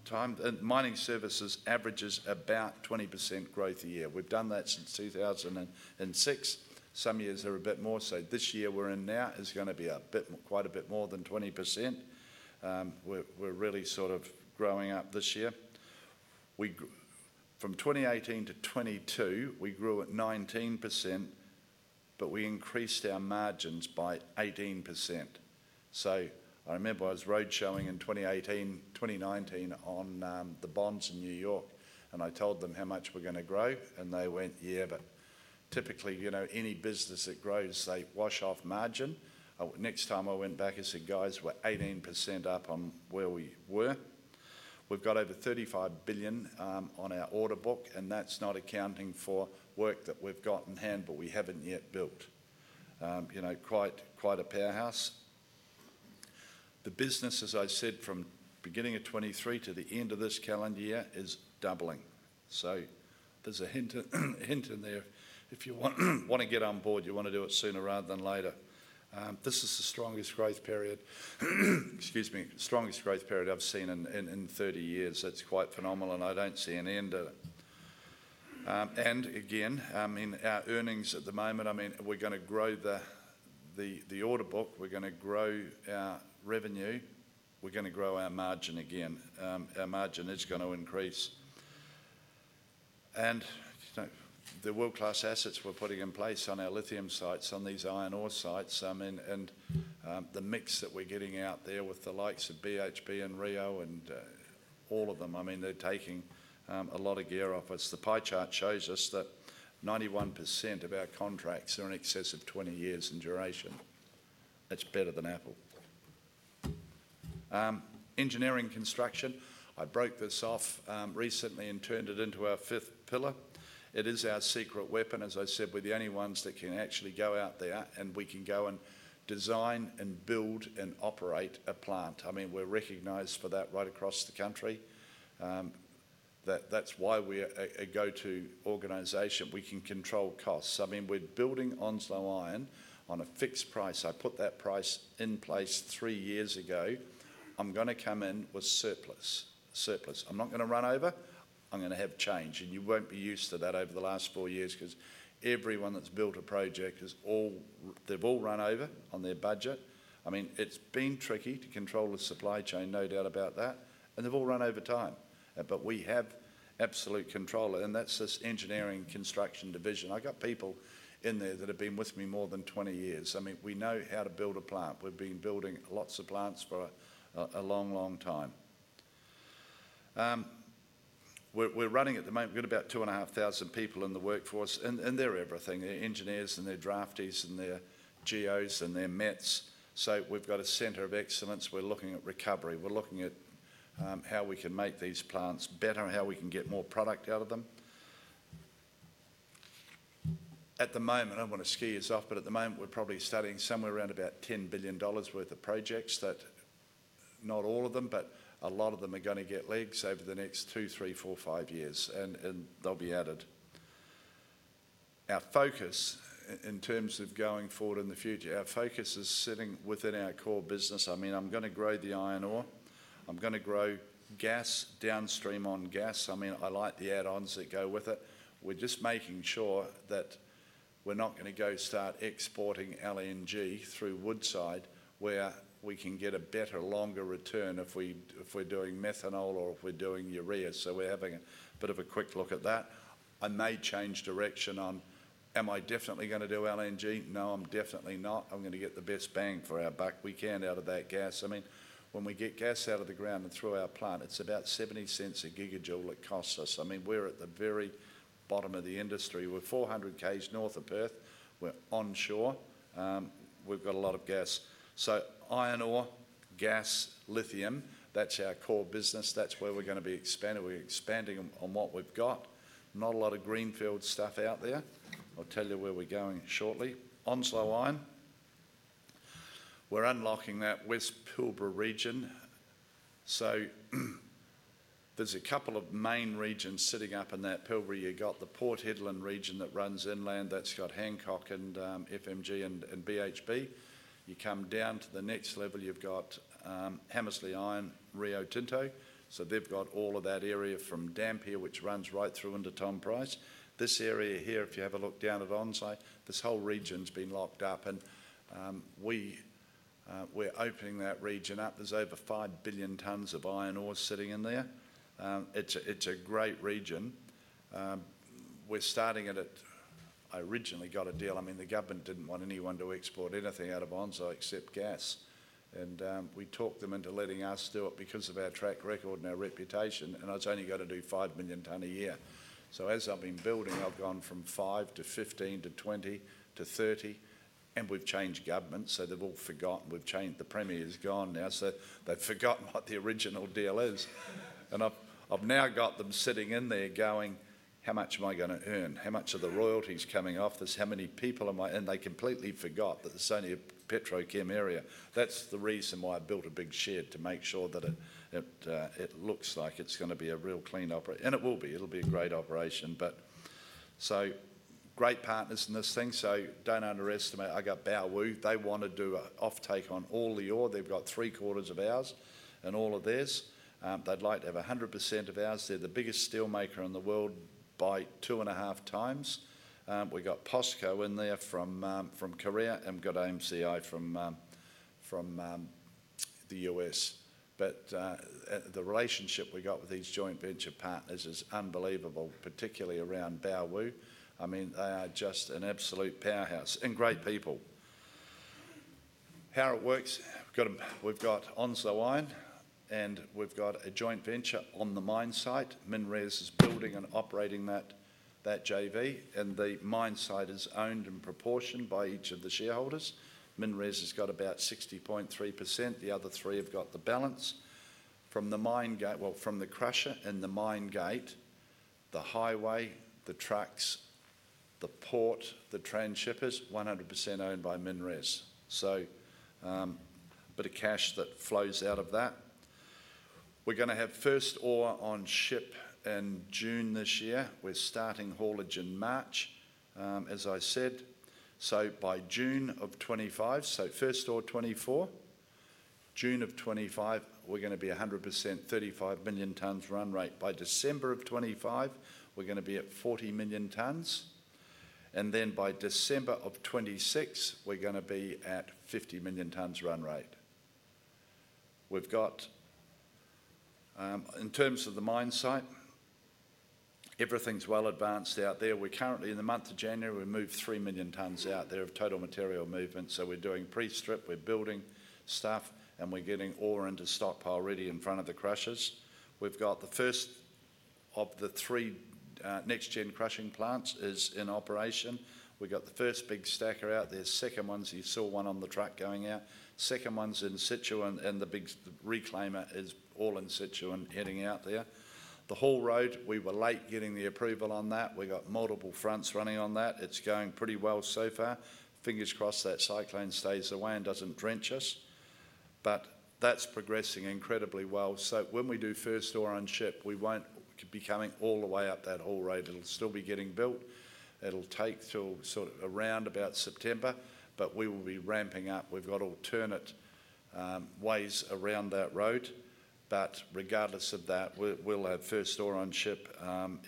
time. Mining services averages about 20% growth a year. We've done that since 2006. Some years are a bit more. So this year we're in now is going to be a bit quite a bit more than 20%. We're really sort of growing up this year. From 2018 to 2022, we grew at 19%, but we increased our margins by 18%. So I remember I was roadshowing in 2018, 2019 on the bonds in New York, and I told them how much we're going to grow, and they went, "Yeah, but typically, you know, any business that grows, they wash off margin." Next time I went back, I said, "Guys, we're 18% up on where we were." We've got over $35 billion on our order book, and that's not accounting for work that we've got in hand, but we haven't yet built. You know, quite a powerhouse. The business, as I said, from beginning of 2023 to the end of this calendar year is doubling. So there's a hint in there. If you want to get on board, you want to do it sooner rather than later. This is the strongest growth period. Excuse me, strongest growth period I've seen in 30 years. It's quite phenomenal. I don't see an end to it. And again, I mean, our earnings at the moment, I mean, we're going to grow the order book. We're going to grow our revenue. We're going to grow our margin again. Our margin is going to increase. And you know the world-class assets we're putting in place on our lithium sites, on these iron ore sites, I mean, and the mix that we're getting out there with the likes of BHP and Rio Tinto and all of them, I mean, they're taking a lot of gear off us. The pie chart shows us that 91% of our contracts are in excess of 20 years in duration. That's better than Apple. Engineering construction, I broke this off recently and turned it into our fifth pillar. It is our secret weapon. As I said, we're the only ones that can actually go out there and we can go and design and build and operate a plant. I mean, we're recognized for that right across the country. That's why we're a go-to organization. We can control costs. I mean, we're building Onslow Iron on a fixed price. I put that price in place three years ago. I'm going to come in with surplus. Surplus. I'm not going to run over. I'm going to have change. And you won't be used to that over the last four years because everyone that's built a project has all they've all run over on their budget. I mean, it's been tricky to control the supply chain, no doubt about that. And they've all run over time. But we have absolute control. And that's this engineering construction division. I've got people in there that have been with me more than 20 years. I mean, we know how to build a plant. We've been building lots of plants for a long, long time. We're running at the moment, we've got about 2,500 people in the workforce. And they're everything. They're engineers and they're drafties and they're geos and they're mets. So we've got a center of excellence. We're looking at recovery. We're looking at how we can make these plants better, how we can get more product out of them. At the moment, I want to skee us off, but at the moment, we're probably studying somewhere around about 10 billion dollars worth of projects that not all of them, but a lot of them are going to get legs over the next 2, 3, 4, 5 years. And they'll be added. Our focus in terms of going forward in the future, our focus is sitting within our core business. I mean, I'm going to grow the iron ore. I'm going to grow gas downstream on gas. I mean, I like the add-ons that go with it. We're just making sure that we're not going to go start exporting LNG through Woodside where we can get a better, longer return if we're doing methanol or if we're doing urea. So we're having a bit of a quick look at that. I may change direction on, am I definitely going to do LNG? No, I'm definitely not. I'm going to get the best bang for our buck we can out of that gas. I mean, when we get gas out of the ground and through our plant, it's about 0.70 a gigajoule it costs us. I mean, we're at the very bottom of the industry. We're 400 km north of Perth. We're onshore. We've got a lot of gas. So iron ore, gas, lithium, that's our core business. That's where we're going to be expanding. We're expanding on what we've got. Not a lot of greenfield stuff out there. I'll tell you where we're going shortly. Onslow Iron, we're unlocking that West Pilbara region. So there's a couple of main regions sitting up in that Pilbara. You've got the Port Hedland region that runs inland. That's got Hancock and FMG and BHP. You come down to the next level, you've got Hamersley Iron, Rio Tinto. So they've got all of that area from Dampier, which runs right through under Tom Price. This area here, if you have a look down at Onslow, this whole region's been locked up. And we're opening that region up. There's over 5 billion tons of iron ore sitting in there. It's a great region. We're starting it. I originally got a deal. I mean, the government didn't want anyone to export anything out of Onslow except gas. And we talked them into letting us do it because of our track record and our reputation. And I was only going to do 5 million tons a year. So as I've been building, I've gone from 5 to 15 to 20 to 30. And we've changed governments, so they've all forgotten. We've changed. The Premier's gone now, so they've forgotten what the original deal is. And I've now got them sitting in there going, how much am I going to earn? How much are the royalties coming off this? How many people am I and they completely forgot that it's only a petrochemical area. That's the reason why I built a big shed to make sure that it looks like it's going to be a real clean operation. And it will be. It'll be a great operation. But so great partners in this thing. So don't underestimate. I've got Baowu. They want to do an offtake on all the ore. They've got three-quarters of ours and all of theirs. They'd like to have 100% of ours. They're the biggest steelmaker in the world by two and a half times. We've got POSCO in there from Korea and we've got AMCI from the US. But the relationship we've got with these joint venture partners is unbelievable, particularly around Baowu. I mean, they are just an absolute powerhouse and great people. How it works, we've got Onslow Iron and we've got a joint venture on the mine site. MinRes is building and operating that JV. The mine site is owned in proportion by each of the shareholders. MinRes has got about 60.3%. The other three have got the balance. From the mine gate, well, from the crusher and the mine gate, the highway, the tracks, the port, the transshippers, 100% owned by MinRes. A bit of cash that flows out of that. We're going to have first ore on ship in June this year. We're starting haulage in March, as I said. By June of 2025, first ore 2024, June of 2025, we're going to be 100%, 35 million tonnes run rate. By December of 2025, we're going to be at 40 million tonnes. By December of 2026, we're going to be at 50 million tonnes run rate. We've got in terms of the mine site, everything's well advanced out there. We're currently in the month of January. We moved 3 million tons out there of total material movement. So we're doing pre-strip. We're building stuff and we're getting ore into stockpile ready in front of the crushers. We've got the first of the three next-gen crushing plants is in operation. We've got the first big stacker out there. Second ones, you saw one on the truck going out. Second ones in Zhoushan and the big reclaimer is all in Zhoushan heading out there. The haul road, we were late getting the approval on that. We've got multiple fronts running on that. It's going pretty well so far. Fingers crossed that cyclone stays away and doesn't drench us. But that's progressing incredibly well. So when we do first ore on ship, we won't be coming all the way up that haul road. It'll still be getting built. It'll take till sort of around about September, but we will be ramping up. We've got alternate ways around that road. But regardless of that, we'll have first ore on ship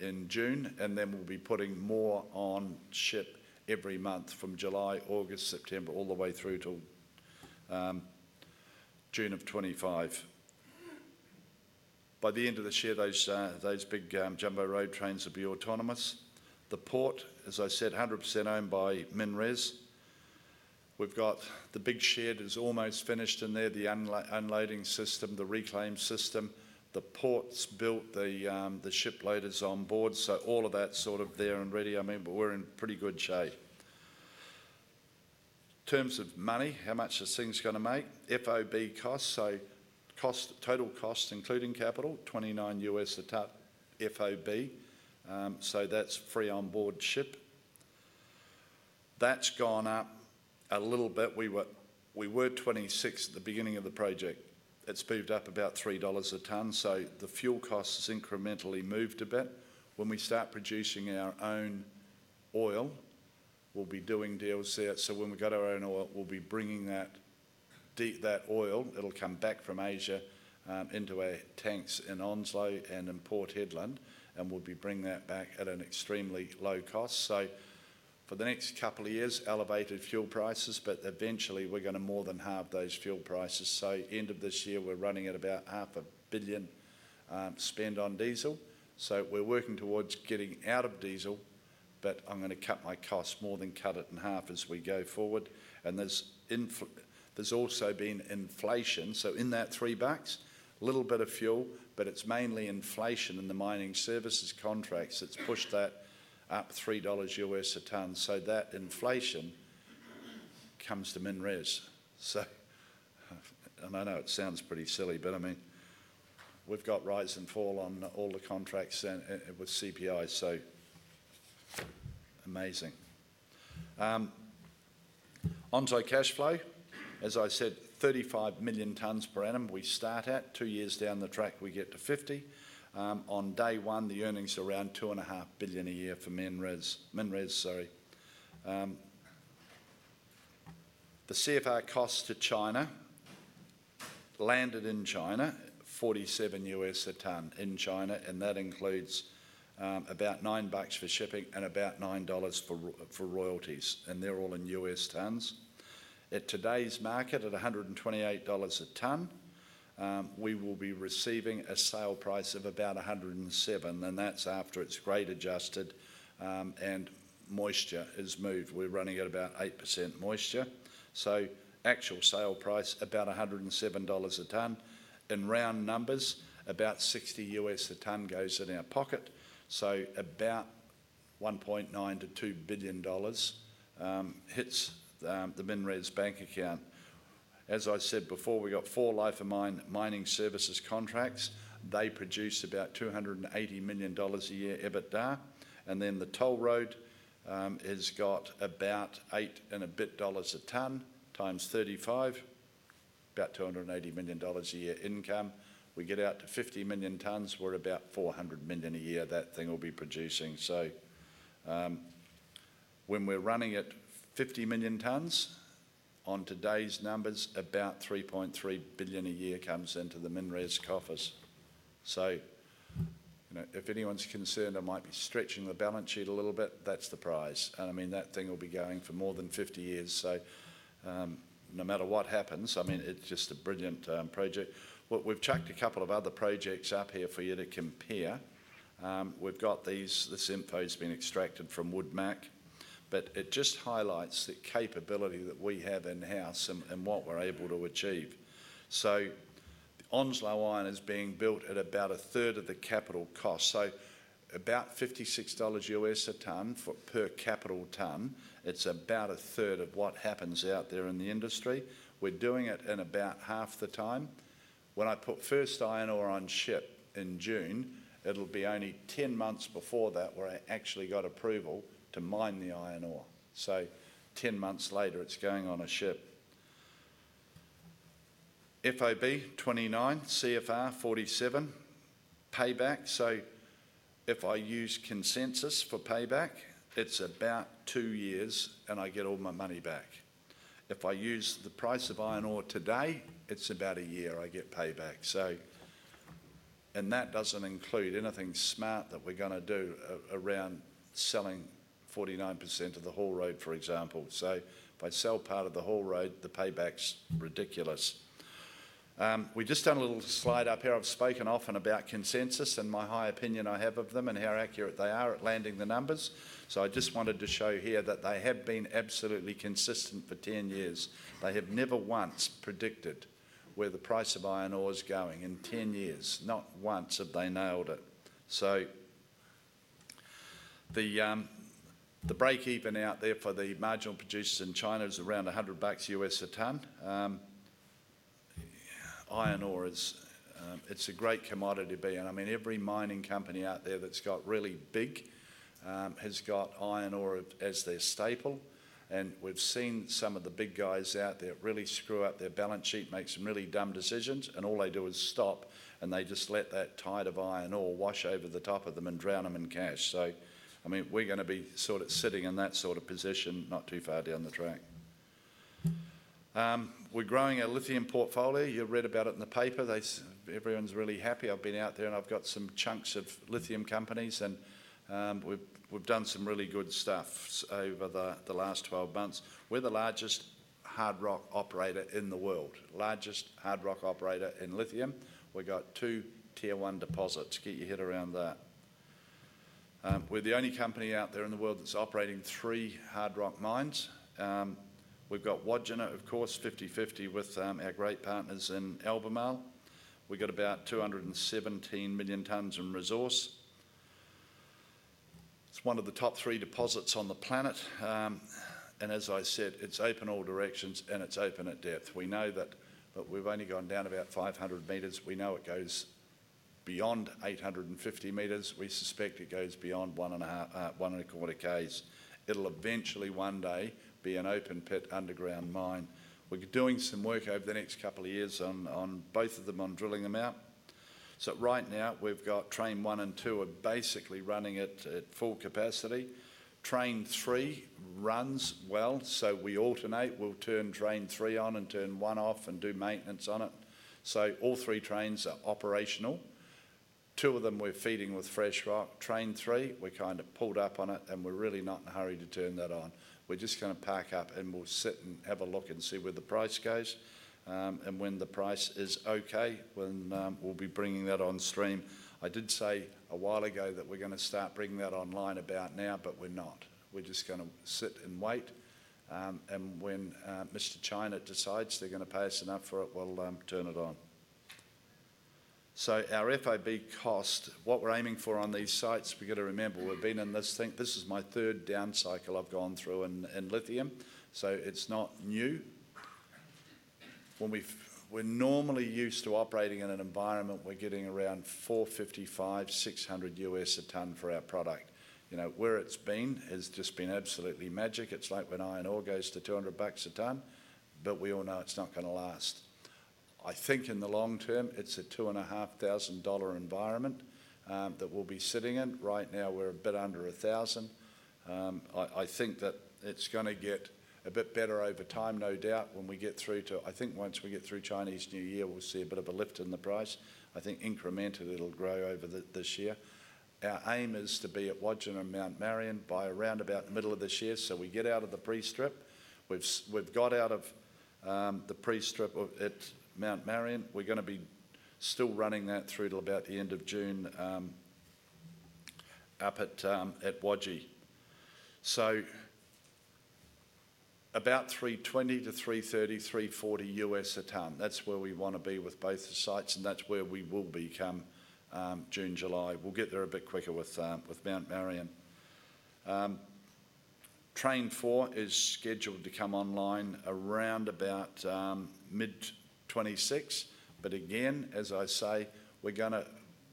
in June, and then we'll be putting more on ship every month from July, August, September, all the way through till June of 2025. By the end of this year, those big jumbo road trains will be autonomous. The port, as I said, 100% owned by MinRes. We've got the big shed is almost finished in there, the unloading system, the reclaim system, the port's built, the shiploader's on board. So all of that's sort of there and ready. I mean, we're in pretty good shape. In terms of money, how much this thing's going to make, FOB costs, so cost, total costs including capital, $29 a tonne FOB. So that's free onboard ship. That's gone up a little bit. We were 26 at the beginning of the project. It's bumped up about 3 dollars a tonne. So the fuel costs have incrementally moved a bit. When we start producing our own oil, we'll be doing deals there. So when we've got our own oil, we'll be bringing that oil. It'll come back from Asia into our tanks in Onslow and in Port Hedland, and we'll be bringing that back at an extremely low cost. So for the next couple of years, elevated fuel prices, but eventually we're going to more than halve those fuel prices. So end of this year, we're running at about 500 million spent on diesel. So we're working towards getting out of diesel, but I'm going to cut my costs more than cut it in half as we go forward. And there's also been inflation. So in that $3, a little bit of fuel, but it's mainly inflation in the mining services contracts. It's pushed that up $3/tonne. So that inflation comes to MinRes. And I know it sounds pretty silly, but I mean, we've got rise and fall on all the contracts with CPIs. So amazing. Onslow Cash Flow, as I said, 35 million tonnes per annum we start at. Two years down the track, we get to 50. On day one, the earnings are around $2.5 billion a year for MinRes. MinRes, sorry. The CFR cost to China landed in China, $47/tonne in China, and that includes about $9 for shipping and about $9 for royalties. And they're all in US tonnes. At today's market, at $128/tonne, we will be receiving a sale price of about $107. That's after it's rate adjusted and moisture is moved. We're running at about 8% moisture. So actual sale price, about $107/tonne. In round numbers, about $60 U.S./tonne goes in our pocket. So about $1.9-$2 billion hits the MinRes bank account. As I said before, we've got 4 life-of-mine mining services contracts. They produce about $280 million a year EBITDA. And then the toll road has got about $8 and a bit dollars/tonne times 35, about $280 million a year income. We get out to 50 million tonnes, we're about $400 million a year that thing will be producing. So when we're running at 50 million tonnes, on today's numbers, about $3.3 billion a year comes into the MinRes coffers. So if anyone's concerned, I might be stretching the balance sheet a little bit. That's the price. I mean, that thing will be going for more than 50 years. So no matter what happens, I mean, it's just a brilliant project. We've chucked a couple of other projects up here for you to compare. We've got these, this info has been extracted from Wood Mackenzie, but it just highlights the capability that we have in-house and what we're able to achieve. So Onslow Iron is being built at about a third of the capital cost. So about $56 a tonne per capital tonne, it's about a third of what happens out there in the industry. We're doing it in about half the time. When I put first iron ore on ship in June, it'll be only 10 months before that where I actually got approval to mine the iron ore. So 10 months later, it's going on a ship. FOB $29, CFR $47, payback. So if I use consensus for payback, it's about 2 years and I get all my money back. If I use the price of iron ore today, it's about 1 year I get payback. And that doesn't include anything smart that we're going to do around selling 49% of the haul road, for example. So if I sell part of the haul road, the payback's ridiculous. We've just done a little slide up here. I've spoken often about consensus and my high opinion I have of them and how accurate they are at landing the numbers. So I just wanted to show here that they have been absolutely consistent for 10 years. They have never once predicted where the price of iron ore's going in 10 years. Not once have they nailed it. So the break-even out there for the marginal producers in China is around $100 bucks US a tonne. Iron ore is, it's a great commodity to be. And I mean, every mining company out there that's got really big has got iron ore as their staple. And we've seen some of the big guys out there really screw up their balance sheet, make some really dumb decisions, and all they do is stop and they just let that tide of iron ore wash over the top of them and drown them in cash. So I mean, we're going to be sort of sitting in that sort of position not too far down the track. We're growing our lithium portfolio. You've read about it in the paper. Everyone's really happy. I've been out there and I've got some chunks of lithium companies and we've done some really good stuff over the last 12 months. We're the largest hard rock operator in the world, largest hard rock operator in lithium. We've got 2 tier one deposits, get your head around that. We're the only company out there in the world that's operating 3 hard rock mines. We've got Wodgina, of course, 50/50 with our great partners in Albemarle. We've got about 217 million tons in resource. It's one of the top 3 deposits on the planet. And as I said, it's open all directions and it's open at depth. We know that, but we've only gone down about 500 meters. We know it goes beyond 850 meters. We suspect it goes beyond 1.25 km. It'll eventually, one day, be an open pit underground mine. We're doing some work over the next couple of years on both of them, on drilling them out. So right now, we've got Train 1 and 2 are basically running it at full capacity. Train 3 runs well, so we alternate. We'll turn Train 3 on and turn 1 off and do maintenance on it. So all 3 trains are operational. 2 of them we're feeding with fresh rock. Train 3, we're kind of pulled up on it and we're really not in a hurry to turn that on. We're just going to pack up and we'll sit and have a look and see where the price goes. And when the price is okay, when we'll be bringing that on stream. I did say a while ago that we're going to start bringing that online about now, but we're not. We're just going to sit and wait. And when Mr. China decides they're going to pay us enough for it, we'll turn it on. So our FOB cost, what we're aiming for on these sites, we've got to remember we've been in this thing, this is my third down cycle I've gone through in lithium. So it's not new. When we're normally used to operating in an environment, we're getting around $455-$600 a tonne for our product. Where it's been has just been absolutely magic. It's like when iron ore goes to $200 bucks a tonne, but we all know it's not going to last. I think in the long term, it's a $2,500 environment that we'll be sitting in. Right now, we're a bit under $1,000. I think that it's going to get a bit better over time, no doubt, when we get through to, I think once we get through Chinese New Year, we'll see a bit of a lift in the price. I think incrementally it'll grow over this year. Our aim is to be at Wodgina and Mount Marion by around about the middle of this year. So we get out of the pre-strip. We've got out of the pre-strip at Mount Marion. We're going to be still running that through till about the end of June up at Wodgina. So about $320-$330, $340 USD/tonne. That's where we want to be with both the sites and that's where we will become June, July. We'll get there a bit quicker with Mount Marion. Train four is scheduled to come online around about mid-2026. But again, as I say, we're going to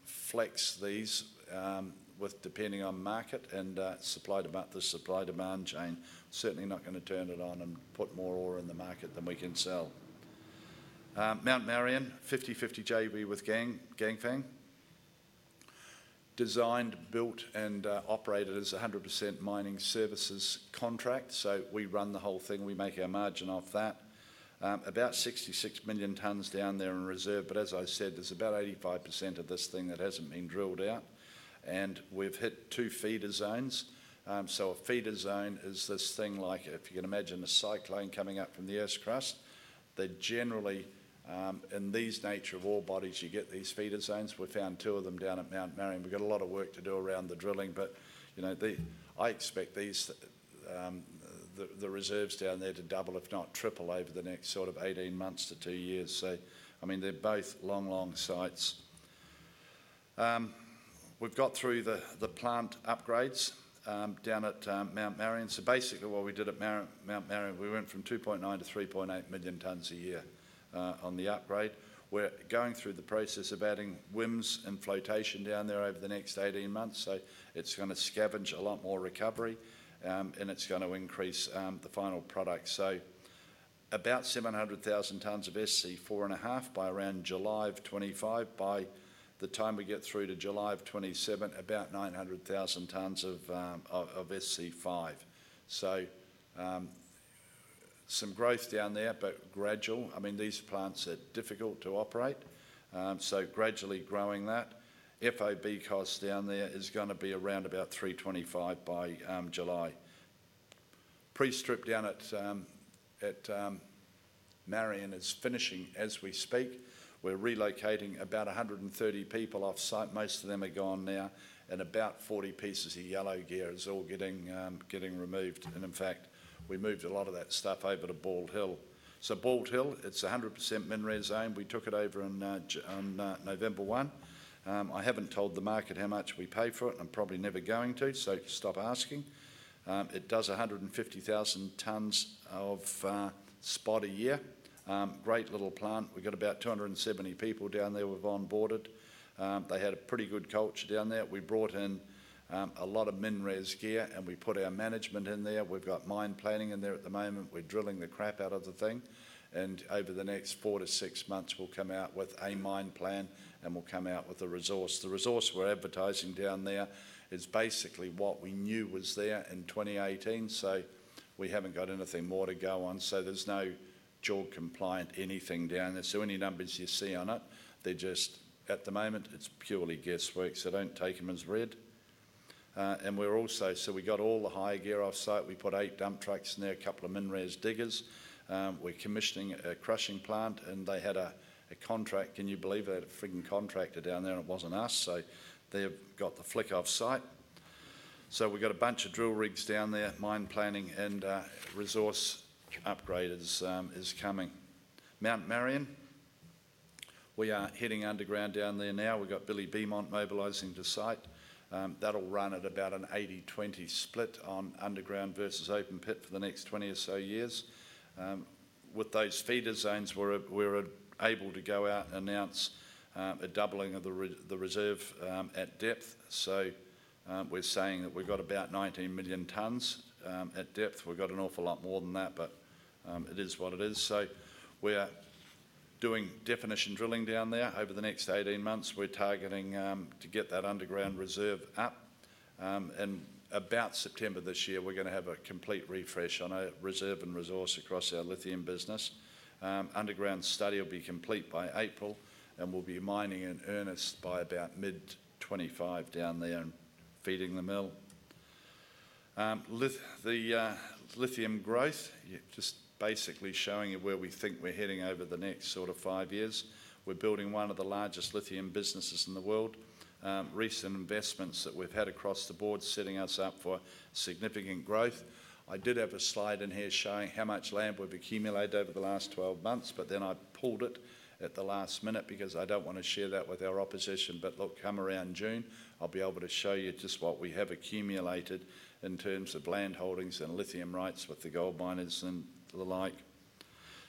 flex these depending on market and supply demand, the supply demand chain. Certainly not going to turn it on and put more ore in the market than we can sell. Mount Marion, 50/50 JV with Ganfeng. Designed, built, and operated as a 100% mining services contract. So we run the whole thing. We make our margin off that. About 66 million tonnes down there in reserve. But as I said, there's about 85% of this thing that hasn't been drilled out. And we've hit two feeder zones. So a feeder zone is this thing like, if you can imagine a cyclone coming up from the earth's crust, they're generally, in these nature of ore bodies, you get these feeder zones. We've found two of them down at Mount Marion. We've got a lot of work to do around the drilling, but you know I expect the reserves down there to double, if not triple, over the next sort of 18 months to 2 years. So I mean, they're both long, long sites. We've got through the plant upgrades down at Mount Marion. So basically what we did at Mount Marion, we went from 2.9 to 3.8 million tonnes a year on the upgrade. We're going through the process of adding WHIMS and flotation down there over the next 18 months. So it's going to scavenge a lot more recovery and it's going to increase the final product. So about 700,000 tonnes of SC4.5 by around July 2025. By the time we get through to July 2027, about 900,000 tonnes of SC5. So some growth down there, but gradual. I mean, these plants are difficult to operate. So gradually growing that. FOB cost down there is going to be around about 325 by July. Pre-strip down at Mt Marion is finishing as we speak. We're relocating about 130 people off site. Most of them are gone now. About 40 pieces of yellow gear is all getting removed. In fact, we moved a lot of that stuff over to Bald Hill. Bald Hill, it's 100% MinRes zone. We took it over on November 1. I haven't told the market how much we pay for it. I'm probably never going to, so stop asking. It does 150,000 tonnes of spot a year. Great little plant. We've got about 270 people down there. We've onboarded. They had a pretty good culture down there. We brought in a lot of MinRes gear and we put our management in there. We've got mine planning in there at the moment. We're drilling the crap out of the thing. And over the next 4-6 months, we'll come out with a mine plan and we'll come out with a resource. The resource we're advertising down there is basically what we knew was there in 2018. So we haven't got anything more to go on. So there's no JORC compliant anything down there. So any numbers you see on it, they're just, at the moment, it's purely guesswork. So don't take them as read. And we're also, so we've got all the high gear off site. We put 8 dump trucks in there, a couple of MinRes diggers. We're commissioning a crushing plant and they had a contract, can you believe it? They had a freaking contractor down there and it wasn't us. So they've got the flick off site. So we've got a bunch of drill rigs down there, mine planning, and resource upgrade is coming. Mt Marion, we are heading underground down there now. We've got Billy Beaumont mobilizing to site. That'll run at about an 80-20 split on underground versus open pit for the next 20 or so years. With those feeder zones, we're able to go out and announce a doubling of the reserve at depth. So we're saying that we've got about 19 million tonnes at depth. We've got an awful lot more than that, but it is what it is. So we're doing definition drilling down there. Over the next 18 months, we're targeting to get that underground reserve up. About September this year, we're going to have a complete refresh on our reserve and resource across our lithium business. Underground study will be complete by April and we'll be mining in earnest by about mid-2025 down there and feeding the mill. The lithium growth, just basically showing you where we think we're heading over the next sort of five years. We're building one of the largest lithium businesses in the world. Recent investments that we've had across the board setting us up for significant growth. I did have a slide in here showing how much land we've accumulated over the last 12 months, but then I pulled it at the last minute because I don't want to share that with our opposition. But look, come around June, I'll be able to show you just what we have accumulated in terms of land holdings and lithium rights with the gold miners and the like.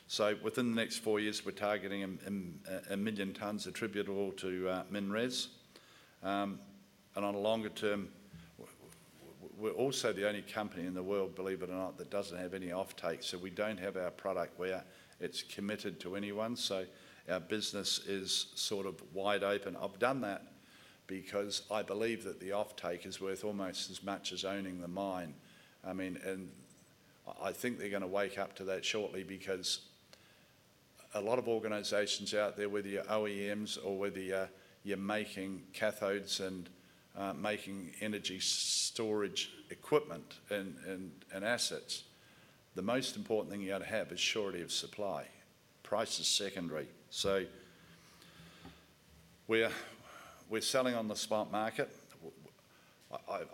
So within the next four years, we're targeting 1 million tonnes attributable to MinRes. On a longer term, we're also the only company in the world, believe it or not, that doesn't have any offtake. So we don't have our product where it's committed to anyone. So our business is sort of wide open. I've done that because I believe that the offtake is worth almost as much as owning the mine. I mean, and I think they're going to wake up to that shortly because a lot of organisations out there, whether you're OEMs or whether you're making cathodes and making energy storage equipment and assets, the most important thing you've got to have is surety of supply. Price is secondary. So we're selling on the spot market.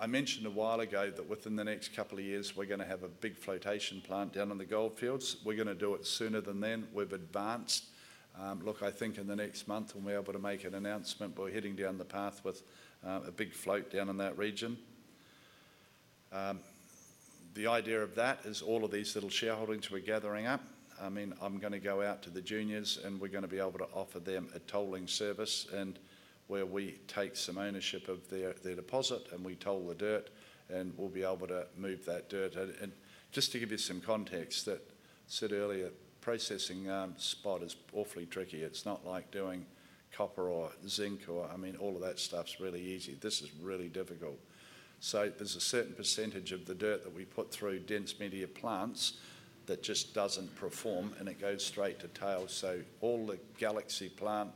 I mentioned a while ago that within the next couple of years, we're going to have a big flotation plant down in the Goldfields. We're going to do it sooner than then. We've advanced. Look, I think in the next month, when we're able to make an announcement, we're heading down the path with a big float down in that region. The idea of that is all of these little shareholdings we're gathering up. I mean, I'm going to go out to the juniors and we're going to be able to offer them a tolling service where we take some ownership of their deposit and we toll the dirt and we'll be able to move that dirt. And just to give you some context, that I said earlier, processing spot is awfully tricky. It's not like doing copper or zinc or, I mean, all of that stuff's really easy. This is really difficult. So there's a certain percentage of the dirt that we put through dense media plants that just doesn't perform and it goes straight to tails. So all the Galaxy plant,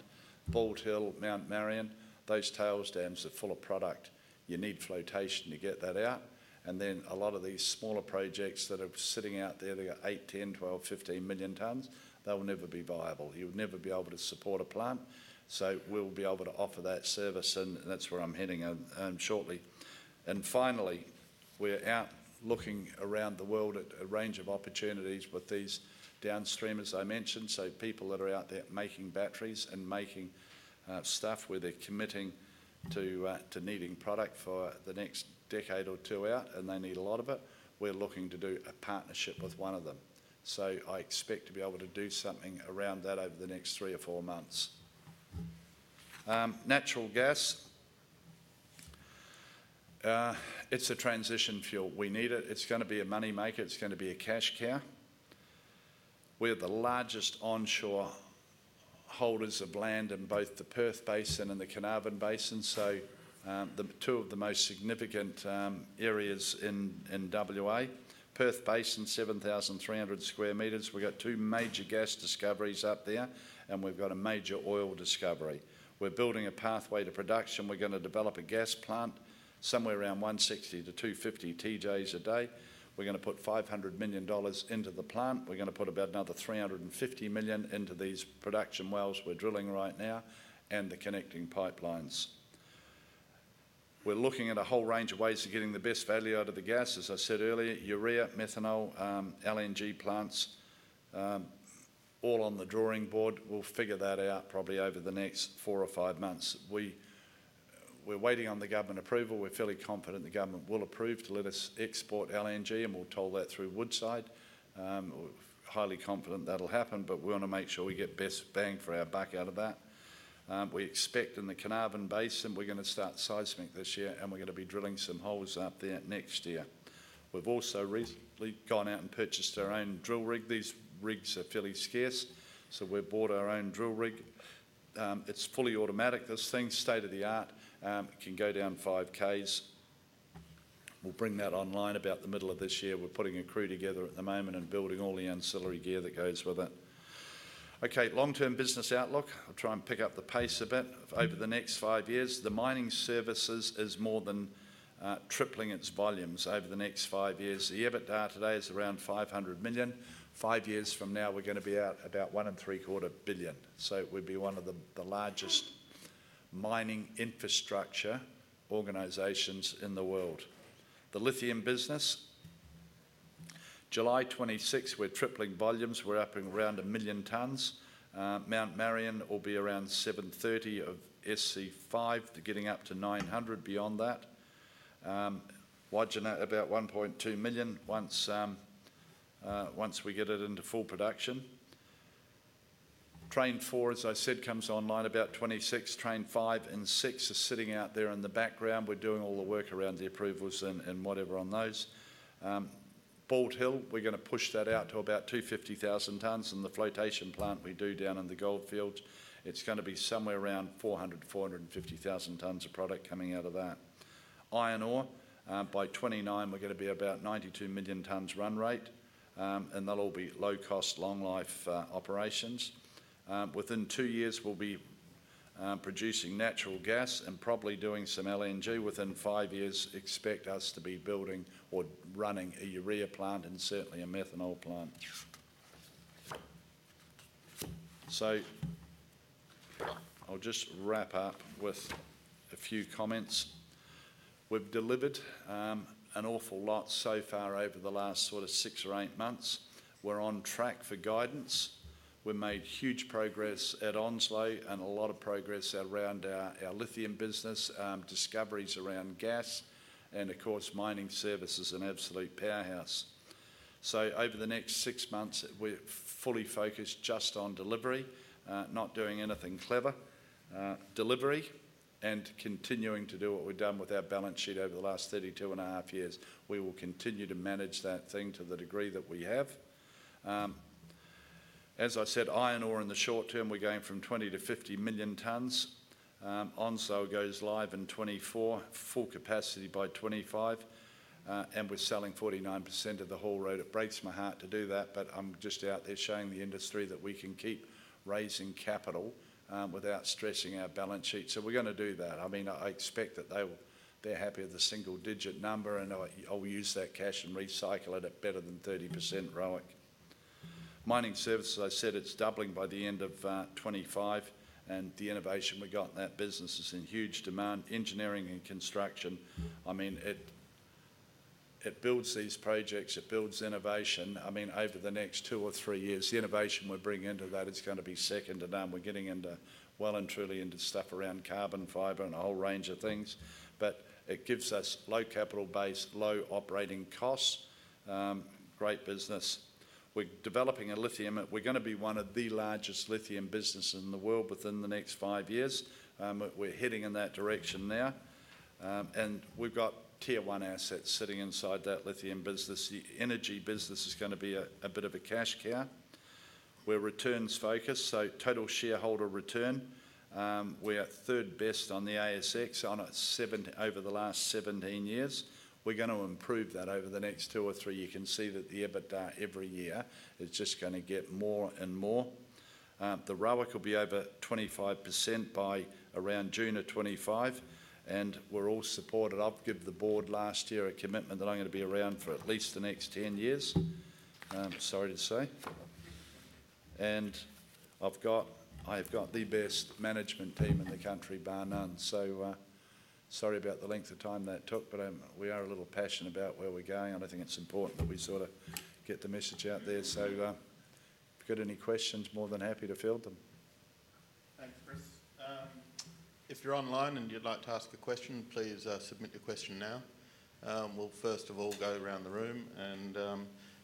Bald Hill, Mt Marion, those tailings dams are full of product. You need flotation to get that out. And then a lot of these smaller projects that are sitting out there, they've got 8, 10, 12, 15 million tonnes, they will never be viable. You'll never be able to support a plant. So we'll be able to offer that service and that's where I'm heading shortly. And finally, we're out looking around the world at a range of opportunities with these downstream, as I mentioned, so people that are out there making batteries and making stuff where they're committing to needing product for the next decade or two out and they need a lot of it. We're looking to do a partnership with one of them. So I expect to be able to do something around that over the next three or four months. Natural gas, it's a transition fuel. We need it. It's going to be a money maker. It's going to be a cash care. We're the largest onshore holders of land in both the Perth Basin and the Carnarvon Basin. The two of the most significant areas in WA, Perth Basin, 7,300 square meters. We've got two major gas discoveries up there and we've got a major oil discovery. We're building a pathway to production. We're going to develop a gas plant somewhere around 160-250 TJs a day. We're going to put 500 million dollars into the plant. We're going to put about another 350 million into these production wells we're drilling right now and the connecting pipelines. We're looking at a whole range of ways of getting the best value out of the gas. As I said earlier, urea, methanol, LNG plants, all on the drawing board. We'll figure that out probably over the next four or five months. We're waiting on the government approval. We're fairly confident the government will approve to let us export LNG and we'll toll that through Woodside. Highly confident that'll happen, but we want to make sure we get best bang for our buck out of that. We expect in the Carnarvon Basin, we're going to start seismic this year and we're going to be drilling some holes up there next year. We've also recently gone out and purchased our own drill rig. These rigs are fairly scarce. So we've bought our own drill rig. It's fully automatic, this thing. State of the art. It can go down 5Ks. We'll bring that online about the middle of this year. We're putting a crew together at the moment and building all the ancillary gear that goes with it. Okay, long-term business outlook. I'll try and pick up the pace a bit over the next 5 years. The mining services is more than tripling its volumes over the next 5 years. The EBITDA today is around 500 million. 5 years from now, we're going to be out about 1.75 billion. So we'd be one of the largest mining infrastructure organizations in the world. The lithium business, July 2026, we're tripling volumes. We're upping around 1 million tons. Mount Marion will be around 730 of SC5. They're getting up to 900 beyond that. Wodgina about 1.2 million once we get it into full production. Train 4, as I said, comes online about 2026. Train 5 and 6 are sitting out there in the background. We're doing all the work around the approvals and whatever on those. Bald Hill, we're going to push that out to about 250,000 tons and the flotation plant we do down in the Goldfields, it's going to be somewhere around 400,000-450,000 tons of product coming out of that. Iron ore, by 2029, we're going to be about 92 million tons run rate. They'll all be low cost, long life operations. Within two years, we'll be producing natural gas and probably doing some LNG. Within five years, expect us to be building or running a urea plant and certainly a methanol plant. So I'll just wrap up with a few comments. We've delivered an awful lot so far over the last sort of six or eight months. We're on track for guidance. We've made huge progress at Onslow and a lot of progress around our lithium business, discoveries around gas, and of course, mining service is an absolute powerhouse. So over the next six months, we're fully focused just on delivery, not doing anything clever. Delivery and continuing to do what we've done with our balance sheet over the last 32.5 years. We will continue to manage that thing to the degree that we have. As I said, iron ore in the short term, we're going from 20-50 million tonnes. Onslow goes live in 2024, full capacity by 2025. And we're selling 49% of the haul road. It breaks my heart to do that, but I'm just out there showing the industry that we can keep raising capital without stressing our balance sheet. So we're going to do that. I mean, I expect that they're happy with the single digit number and I'll use that cash and recycle it at better than 30%, ROIC. Mining services, I said it's doubling by the end of 2025 and the innovation we've got in that business is in huge demand. Engineering and construction, I mean, it builds these projects, it builds innovation. I mean, over the next two or three years, the innovation we're bringing into that is going to be second to none. We're getting into well and truly into stuff around carbon fiber and a whole range of things. But it gives us low capital base, low operating costs, great business. We're developing a lithium. We're going to be one of the largest lithium businesses in the world within the next five years. We're heading in that direction now. We've got tier one assets sitting inside that lithium business. The energy business is going to be a bit of a cash cow. We're returns focused. So total shareholder return, we're third best on the ASX on it over the last 17 years. We're going to improve that over the next two or three. You can see that the EBITDA every year, it's just going to get more and more. The ROIC will be over 25% by around June of 2025 and we're all supported. I've given the board last year a commitment that I'm going to be around for at least the next 10 years, sorry to say. And I've got, I have got the best management team in the country, bar none. So sorry about the length of time that took, but we are a little passionate about where we're going. I think it's important that we sort of get the message out there. So if you've got any questions, more than happy to field them. Thanks, Chris. If you're online and you'd like to ask a question, please submit your question now. We'll first of all go around the room and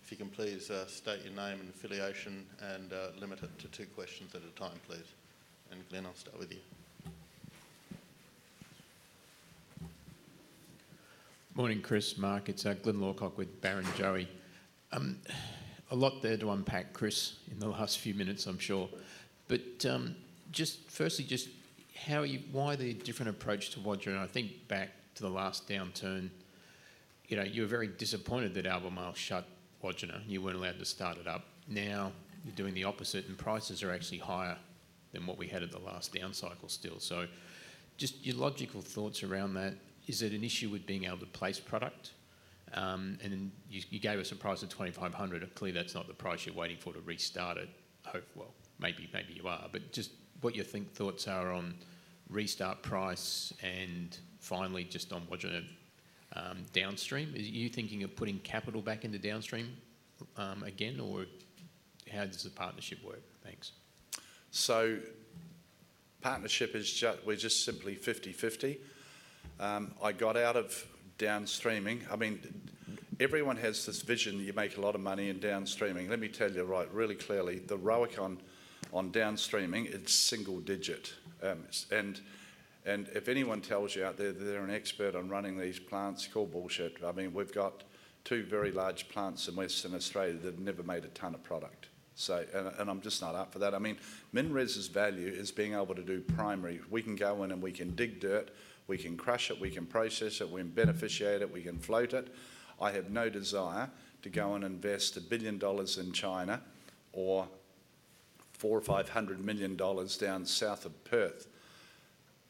if you can please state your name and affiliation and limit it to two questions at a time, please. And Glenn, I'll start with you. Morning, Chris Mark. It's Glyn Lawcock with Barrenjoey. A lot there to unpack, Chris, in the last few minutes, I'm sure. But just firstly, just how are you, why the different approach to Wodgina? I think back to the last downturn, you know, you were very disappointed that Albemarle shut Wodgina and you weren't allowed to start it up. Now you're doing the opposite and prices are actually higher than what we had at the last down cycle still. So just your logical thoughts around that, is it an issue with being able to place product? You gave us a price of $2,500. Clearly, that's not the price you're waiting for to restart it. Well, maybe, maybe you are. But just what your thoughts are on restart price and finally just on Wodgina downstream. Are you thinking of putting capital back into downstream again or how does the partnership work? Thanks. So partnership is just, we're just simply 50/50. I got out of downstreaming. I mean, everyone has this vision, you make a lot of money in downstreaming. Let me tell you right, really clearly, the ROIC on downstreaming, it's single digit. And if anyone tells you out there that they're an expert on running these plants, it's called bullshit. I mean, we've got two very large plants in Western Australia that have never made a tonne of product. So I'm just not up for that. I mean, MinRes's value is being able to do primary. We can go in and we can dig dirt, we can crush it, we can process it, we can beneficiate it, we can float it. I have no desire to go and invest $1 billion in China or $400 million or $500 million down south of Perth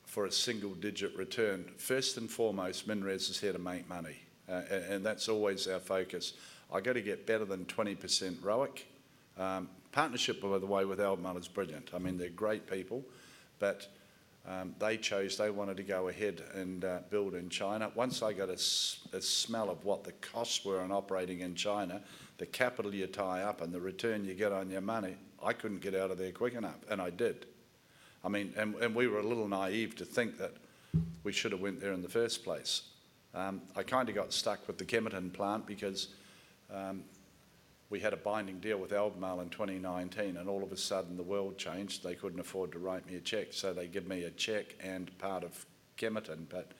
for a single digit return. First and foremost, MinRes is here to make money. That's always our focus. I got to get better than 20% ROIC. Partnership, by the way, with Albemarle is brilliant. I mean, they're great people, but they chose, they wanted to go ahead and build in China. Once I got a smell of what the costs were in operating in China, the capital you tie up and the return you get on your money, I couldn't get out of there quick enough. And I did. I mean, and we were a little naive to think that we should have went there in the first place. I kind of got stuck with the Kemerton plant because we had a binding deal with Albemarle in 2019 and all of a sudden the world changed. They couldn't afford to write me a check. So they give me a check and part of Kemerton, but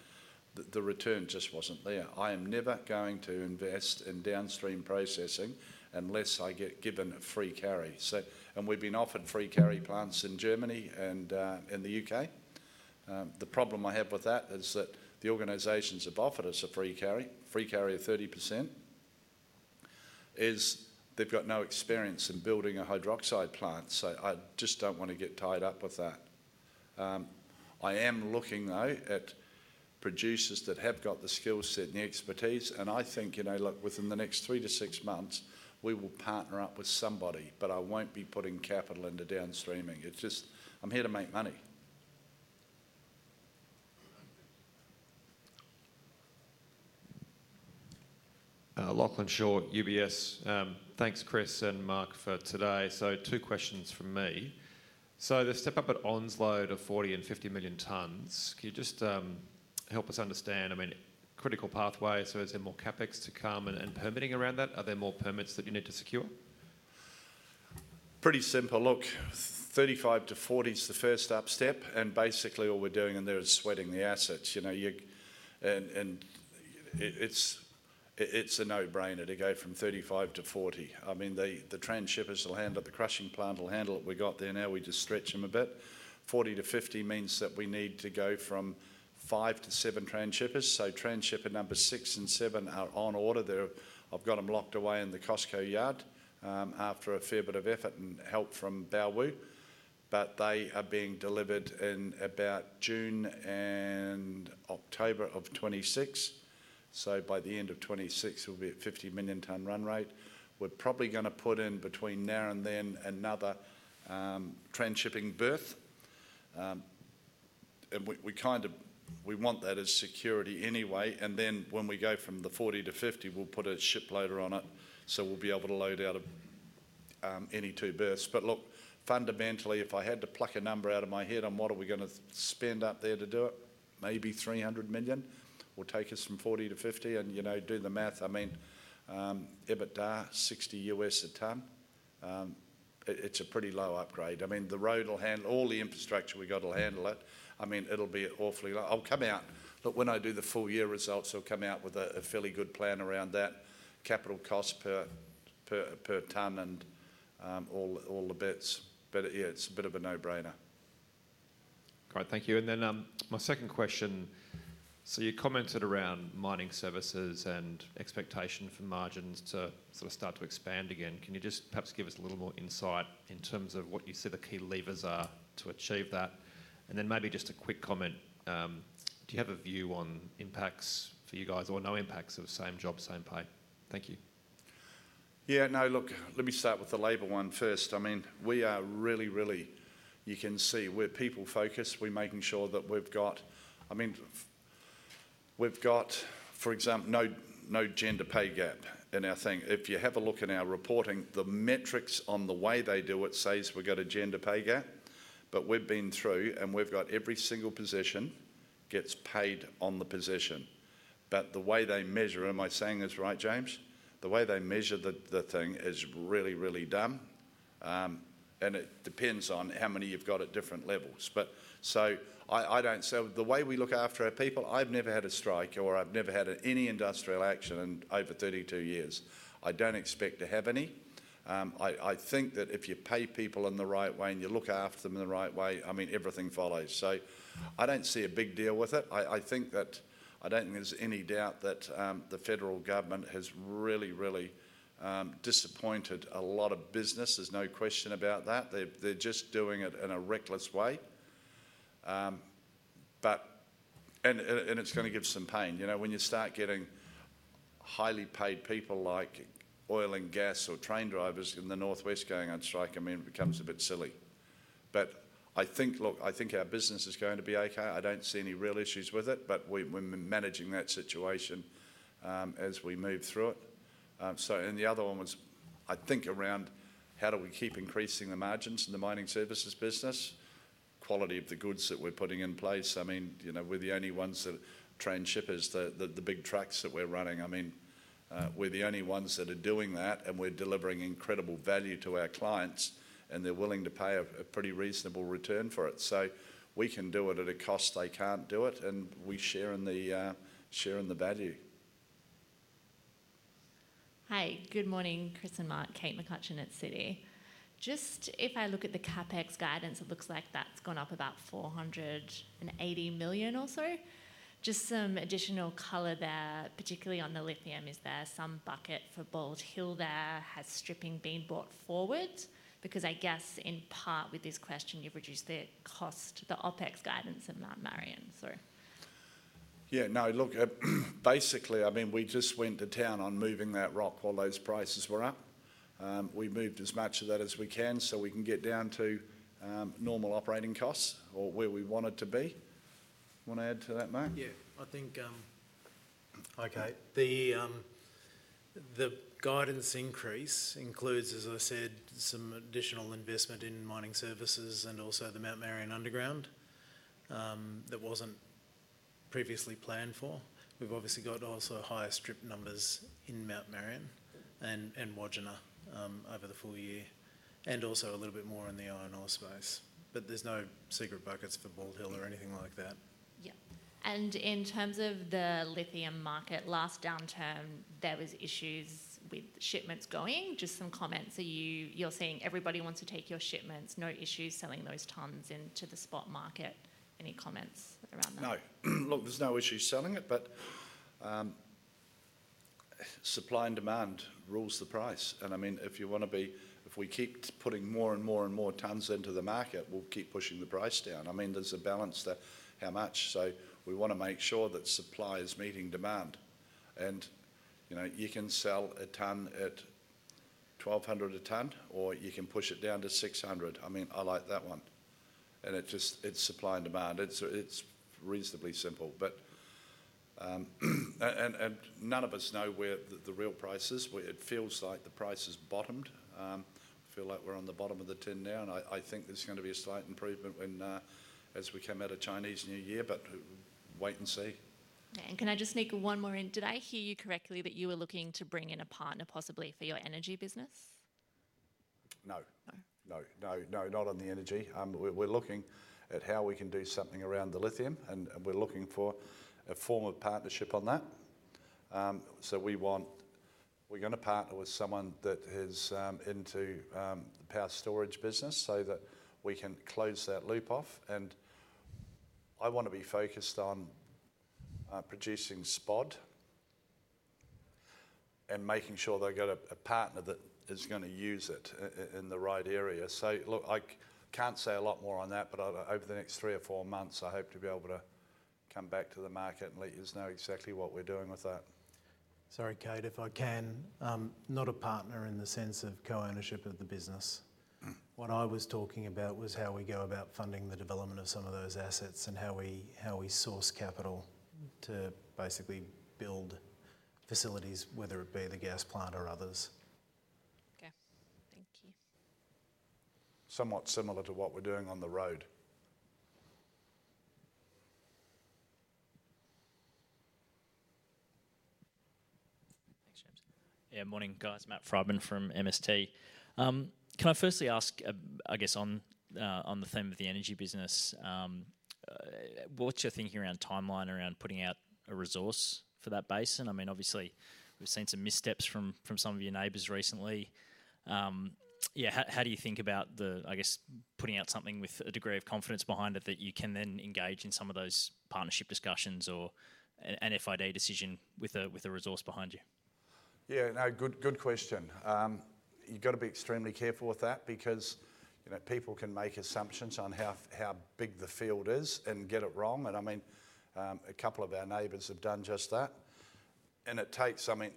the return just wasn't there. I am never going to invest in downstream processing unless I get given a free carry. So and we've been offered free carry plants in Germany and in the UK. The problem I have with that is that the organizations have offered us a free carry, free carry of 30%, is they've got no experience in building a hydroxide plant. So I just don't want to get tied up with that. I am looking though at producers that have got the skill set and the expertise and I think, you know, look, within the next 3-6 months, we will partner up with somebody, but I won't be putting capital into downstreaming. It's just, I'm here to make money. Lachlan Shaw, UBS. Thanks, Chris and Mark for today. So two questions from me. So the step up at Onslow to 40 and 50 million tonnes, can you just help us understand, I mean, critical pathway, so is there more CAPEX to come and permitting around that? Are there more permits that you need to secure? Pretty simple. Look, 35-40 is the first upstep and basically all we're doing in there is sweating the assets. You know, you and it's a no brainer to go from 35-40. I mean, the transshippers will handle it, the crushing plant will handle it. We got there now, we just stretch them a bit. 40-50 means that we need to go from 5-7 transshippers. So transshipper number 6 and 7 are on order. They're, I've got them locked away in the COSCO yard after a fair bit of effort and help from Baowu. But they are being delivered in about June and October of 2026. So by the end of 2026, we'll be at 50 million tonne run rate. We're probably going to put in between now and then another transshipping berth. And we kind of, we want that as security anyway. And then when we go from the 40-50, we'll put a ship loader on it. So we'll be able to load out of any two berths. But look, fundamentally, if I had to pluck a number out of my head on what are we going to spend up there to do it? Maybe 300 million? We'll take us from 40 to 50 and, you know, do the math. I mean, EBITDA, 60 a tonne. It's a pretty low upgrade. I mean, the road will handle, all the infrastructure we've got will handle it. I mean, it'll be awfully low. I'll come out, look, when I do the full year results, I'll come out with a fairly good plan around that, capital cost per tonne and all the bits. But yeah, it's a bit of a no-brainer. Great, thank you. And then my second question, so you commented around mining services and expectation for margins to sort of start to expand again. Can you just perhaps give us a little more insight in terms of what you see the key levers are to achieve that? And then maybe just a quick comment. Do you have a view on impacts for you guys or no impacts of same job, same pay? Thank you. Yeah, no, look, let me start with the labor one first. I mean, we are really, really, you can see, we're people focused. We're making sure that we've got, I mean, we've got, for example, no no gender pay gap in our thing. If you have a look at our reporting, the metrics on the way they do it says we've got a gender pay gap. But we've been through and we've got every single position gets paid on the position. But the way they measure, am I saying this right, James? The way they measure the thing is really, really dumb. It depends on how many you've got at different levels. So I don't say, the way we look after our people, I've never had a strike or I've never had any industrial action in over 32 years. I don't expect to have any. I think that if you pay people in the right way and you look after them in the right way, I mean, everything follows. I don't see a big deal with it. I think that, I don't think there's any doubt that the federal government has really, really disappointed a lot of business. There's no question about that. They're just doing it in a reckless way. And it's going to give some pain. You know, when you start getting highly paid people like oil and gas or train drivers in the northwest going on strike, I mean, it becomes a bit silly. But I think, look, I think our business is going to be okay. I don't see any real issues with it, but we're managing that situation as we move through it. So and the other one was, I think around how do we keep increasing the margins in the mining services business? Quality of the goods that we're putting in place. I mean, you know, we're the only ones that, transhippers, the big trucks that we're running. I mean, we're the only ones that are doing that and we're delivering incredible value to our clients and they're willing to pay a pretty reasonable return for it. So we can do it at a cost they can't do it and we share in the share in the value. Hi, good morning, Chris and Mark, Kate McCutcheon at Citi. Just if I look at the CapEx guidance, it looks like that's gone up about 480 million or so. Just some additional color there, particularly on the lithium. Is there some bucket for Bald Hill? There has stripping been bought forward because I guess in part with this question you've reduced the cost, the OpEx guidance at Mount Marion, so. Yeah, no, look, basically, I mean, we just went to town on moving that rock while those prices were up. We moved as much of that as we can so we can get down to normal operating costs or where we wanted to be. You want to add to that, Mark? Yeah, I think, okay, the guidance increase includes, as I said, some additional investment in mining services and also the Mount Marion underground that wasn't previously planned for. We've obviously got also higher strip numbers in Mount Marion and Wodgina over the full year and also a little bit more in the iron ore space. But there's no secret buckets for Bald Hill or anything like that. Yeah. And in terms of the lithium market, last downturn, there was issues with shipments going. Just some comments. Are you saying everybody wants to take your shipments, no issues selling those tonnes into the spot market? Any comments around that? No, look, there's no issues selling it, but supply and demand rules the price. And I mean, if you want to be, if we keep putting more and more and more tons into the market, we'll keep pushing the price down. I mean, there's a balance to how much. So we want to make sure that supply is meeting demand. And you know, you can sell a ton at $1,200 a ton or you can push it down to $600. I mean, I like that one. And it just, it's supply and demand. It's reasonably simple. But and none of us know where the real price is. It feels like the price has bottomed. I feel like we're on the bottom of the tin now and I think there's going to be a slight improvement when as we come out of Chinese New Year, but wait and see. Yeah. And can I just sneak one more in? Did I hear you correctly that you were looking to bring in a partner possibly for your energy business? No. No, no, no, no, not on the energy. We're looking at how we can do something around the lithium and we're looking for a form of partnership on that. So we want, we're going to partner with someone that is into the power storage business so that we can close that loop off. And I want to be focused on producing spod and making sure they've got a partner that is going to use it in the right area. So look, I can't say a lot more on that, but over the next 3 or 4 months, I hope to be able to come back to the market and let you know exactly what we're doing with that. Sorry, Kate, if I can, not a partner in the sense of co-ownership of the business. What I was talking about was how we go about funding the development of some of those assets and how we source capital to basically build facilities, whether it be the gas plant or others. Okay, thank you. Somewhat similar to what we're doing on the road. Thanks, James. Yeah, morning, guys. Matt Frydman from MST. Can I firstly ask, I guess, on the theme of the energy business, what's your thinking around timeline, around putting out a resource for that basin? I mean, obviously we've seen some missteps from some of your neighbours recently. Yeah, how do you think about the, I guess, putting out something with a degree of confidence behind it that you can then engage in some of those partnership discussions or an FID decision with a resource behind you? Yeah, no, good question. You've got to be extremely careful with that because, you know, people can make assumptions on how big the field is and get it wrong. And I mean, a couple of our neighbours have done just that. And it takes, I mean,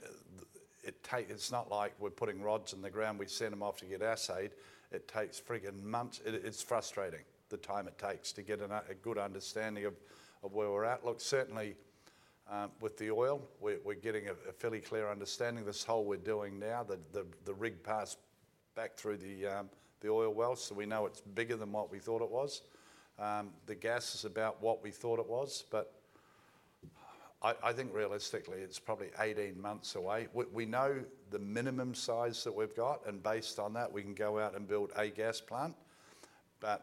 it takes; it's not like we're putting rods in the ground, we send them off to get acid. It takes frigging months. It's frustrating the time it takes to get a good understanding of where we're at. Look, certainly with the oil, we're getting a fairly clear understanding. This hole we're doing now, the rig passed back through the oil well so we know it's bigger than what we thought it was. The gas is about what we thought it was, but I think realistically it's probably 18 months away. We know the minimum size that we've got and based on that we can go out and build a gas plant. But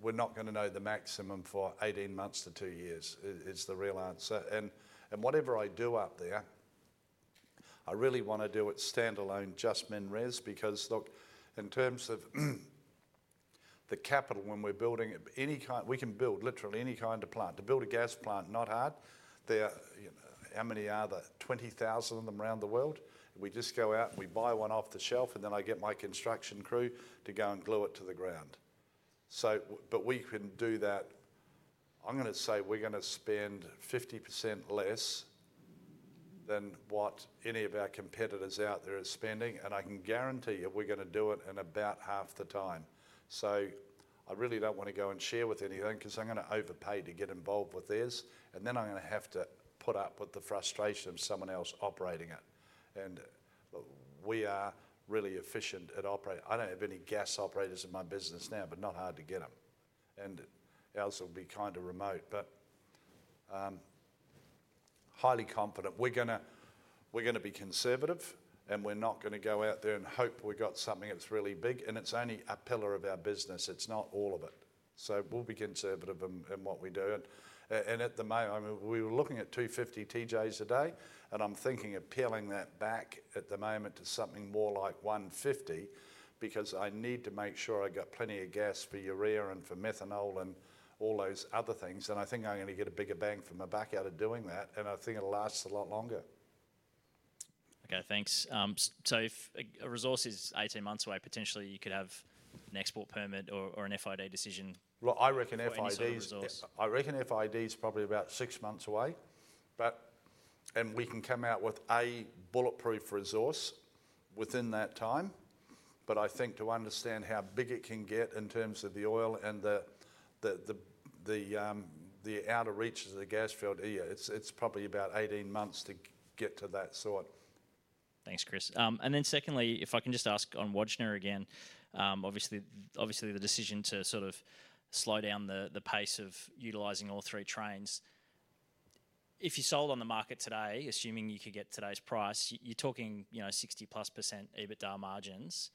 we're not going to know the maximum for 18 months to two years is the real answer. And whatever I do up there, I really want to do it standalone, just MinRes because look, in terms of the capital when we're building it, any kind, we can build literally any kind of plant. To build a gas plant, not hard. There, you know, how many are there? 20,000 of them around the world. We just go out and we buy one off the shelf and then I get my construction crew to go and glue it to the ground. So, but we can do that. I'm going to say we're going to spend 50% less than what any of our competitors out there are spending and I can guarantee you we're going to do it in about half the time. So I really don't want to go and share with anything because I'm going to overpay to get involved with theirs and then I'm going to have to put up with the frustration of someone else operating it. And look, we are really efficient at operating. I don't have any gas operators in my business now, but not hard to get them. And ours will be kind of remote, but highly confident. We're going to be conservative and we're not going to go out there and hope we've got something that's really big and it's only a pillar of our business. It's not all of it. So we'll be conservative in what we do. And at the moment, I mean, we were looking at 250 TJs a day and I'm thinking of peeling that back at the moment to something more like 150 because I need to make sure I've got plenty of gas for urea and for methanol and all those other things. And I think I'm going to get a bigger bang for my buck out of doing that and I think it'll last a lot longer. Okay, thanks. So if a resource is 18 months away, potentially you could have an export permit or an FID decision. Well, I reckon FIDs, I reckon FIDs probably about 6 months away. And we can come out with a bulletproof resource within that time. But I think to understand how big it can get in terms of the oil and the outer reaches of the gas field, yeah, it's probably about 18 months to get to that sort. Thanks, Chris. And then secondly, if I can just ask on Wodgina again, obviously the decision to sort of slow down the pace of utilizing all three trains. If you sold on the market today, assuming you could get today's price, you're talking, you know, 60%+ EBITDA margins.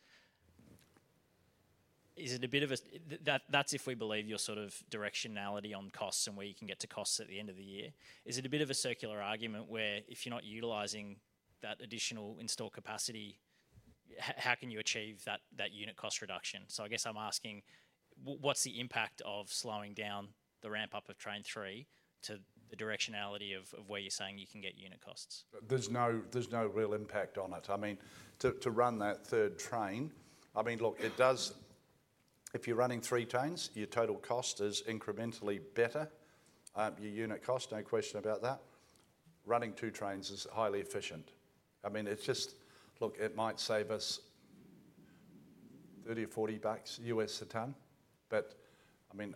Is it a bit of a, that's if we believe your sort of directionality on costs and where you can get to costs at the end of the year. Is it a bit of a circular argument where if you're not utilizing that additional installed capacity, how can you achieve that unit cost reduction? So I guess I'm asking, what's the impact of slowing down the ramp up of train three to the directionality of where you're saying you can get unit costs? There's no real impact on it. I mean, to run that third train, I mean, look, it does, if you're running three trains, your total cost is incrementally better, your unit cost, no question about that. Running two trains is highly efficient. I mean, it's just, look, it might save us $30-$40 a tonne. But I mean,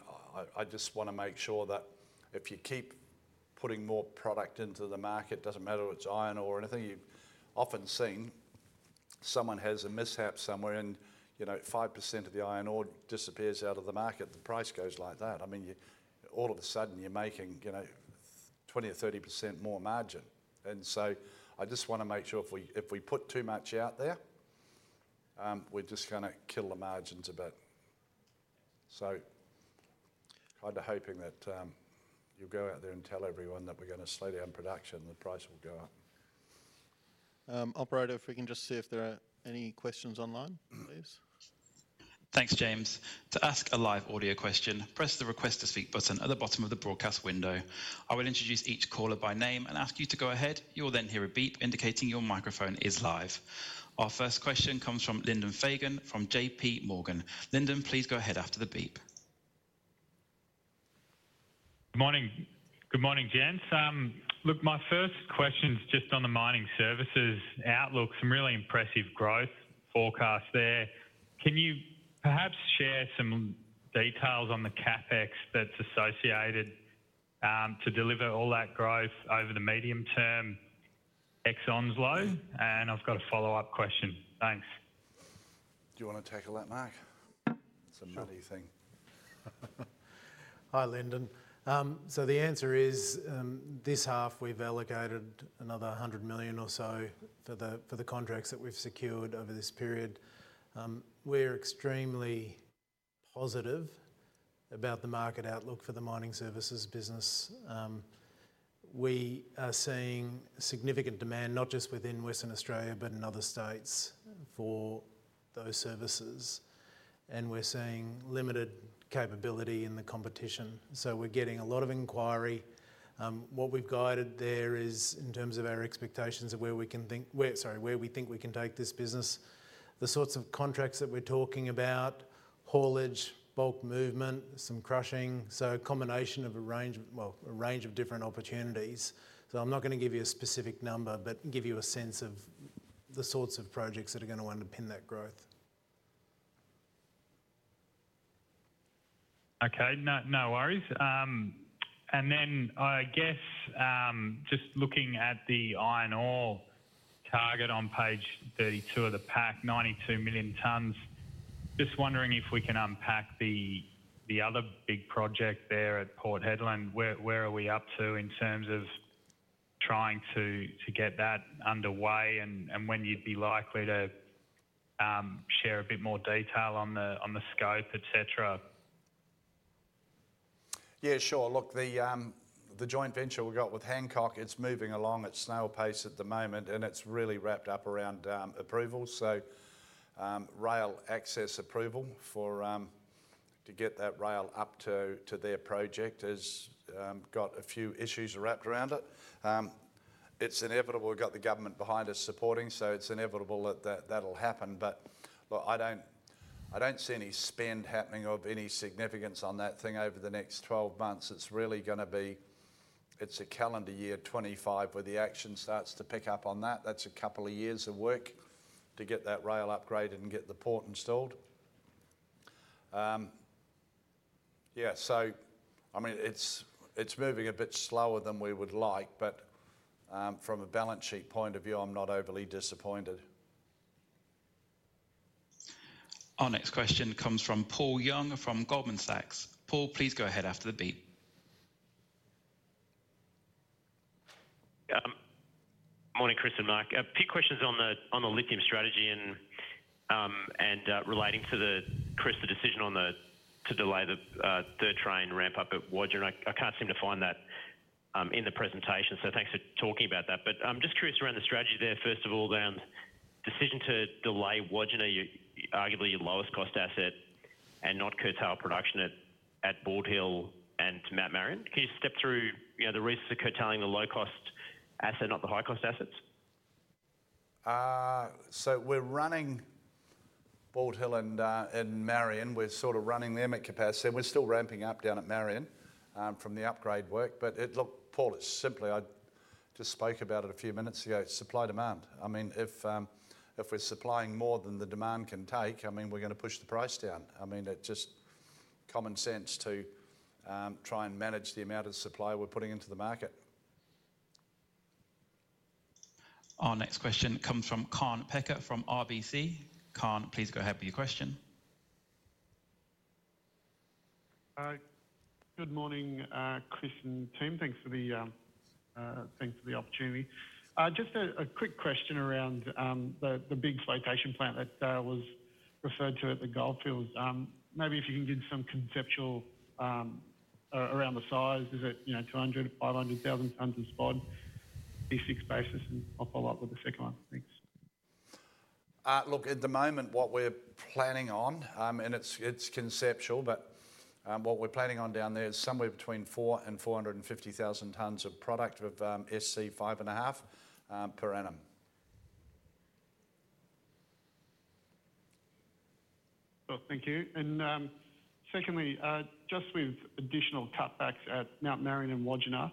I just want to make sure that if you keep putting more product into the market, it doesn't matter if it's iron ore or anything. You've often seen someone has a mishap somewhere and, you know, 5% of the iron ore disappears out of the market, the price goes like that. I mean, you all of a sudden you're making, you know, 20% or 30% more margin. And so I just want to make sure if we put too much out there, we're just going to kill the margins a bit. So kind of hoping that you'll go out there and tell everyone that we're going to slow down production and the price will go up. Operator, if we can just see if there are any questions online, please. Thanks, James. To ask a live audio question, press the Request to Speak button at the bottom of the broadcast window. I will introduce each caller by name and ask you to go ahead. You'll then hear a beep indicating your microphone is live. Our first question comes from Lyndon Fagan from JPMorgan. Lyndon, please go ahead after the beep. Good morning. Good morning, James. Look, my first question is just on the mining services outlook. Some really impressive growth forecast there. Can you perhaps share some details on the CapEx that's associated to deliver all that growth over the medium term ex-Onslow? And I've got a follow-up question. Thanks. Do you want to tackle that, Mark? It's a muddy thing. Hi, Lyndon. So the answer is this half we've allocated another 100 million or so for the contracts that we've secured over this period. We're extremely positive about the market outlook for the mining services business. We are seeing significant demand, not just within Western Australia, but in other states for those services. And we're seeing limited capability in the competition. So we're getting a lot of inquiry. What we've guided there is in terms of our expectations of where we can think, where, sorry, where we think we can take this business. The sorts of contracts that we're talking about, haulage, bulk movement, some crushing. So a combination of a range, well, a range of different opportunities. So I'm not going to give you a specific number, but give you a sense of the sorts of projects that are going to underpin that growth. Okay, no worries. And then I guess just looking at the iron ore target on page 32 of the pack, 92 million tonnes, just wondering if we can unpack the the other big project there at Port Hedland. Where are we up to in terms of trying to get that underway and when you'd be likely to share a bit more detail on the scope, etc.? Yeah, sure. Look, the joint venture we've got with Hancock, it's moving along at snail pace at the moment and it's really wrapped up around approval. So rail access approval for to get that rail up to their project has got a few issues wrapped around it. It's inevitable, we've got the government behind us supporting, so it's inevitable that that'll happen. But look, I don't I don't see any spend happening of any significance on that thing over the next 12 months. It's really going to be, it's a calendar year 2025 where the action starts to pick up on that. That's a couple of years of work to get that rail upgraded and get the port installed. Yeah, so I mean, it's it's moving a bit slower than we would like, but from a balance sheet point of view, I'm not overly disappointed. Our next question comes from Paul Young from Goldman Sachs. Paul, please go ahead after the beep. Yeah, morning, Chris and Mark. A few questions on the lithium strategy and relating to the, Chris, the decision on the to delay the third train ramp up at Wodgina. I can't seem to find that in the presentation. So thanks for talking about that. But I'm just curious around the strategy there, first of all, around decision to delay Wodgina, arguably your lowest cost asset and not curtail production at Bald Hill and to Mount Marion. Can you step through, you know, the reasons for curtailing the low cost asset, not the high cost assets? So we're running Bald Hill and Marion. We're sort of running them at capacity and we're still ramping up down at Marion from the upgrade work. But it, look, Paul, it's simply. I just spoke about it a few minutes ago. It's supply-demand. I mean, if we're supplying more than the demand can take, I mean, we're going to push the price down. I mean, it's just common sense to try and manage the amount of supply we're putting into the market. Our next question comes from Kaan Peker from RBC. Kaan, please go ahead with your question. Good morning, Chris and team. Thanks for the opportunity. Just a quick question around the big flotation plant that was referred to at the Goldfields. Maybe if you can give some conceptual around the size. Is it, you know, 200,000-500,000 tonnes in spod basis and I'll follow up with the second one. Thanks. Look, at the moment what we're planning on, and it's conceptual, but what we're planning on down there is somewhere between 400,000 and 450,000 tonnes of product of SC5.5 per annum. Well, thank you. And secondly, just with additional cutbacks at Mount Marion and Wodgina,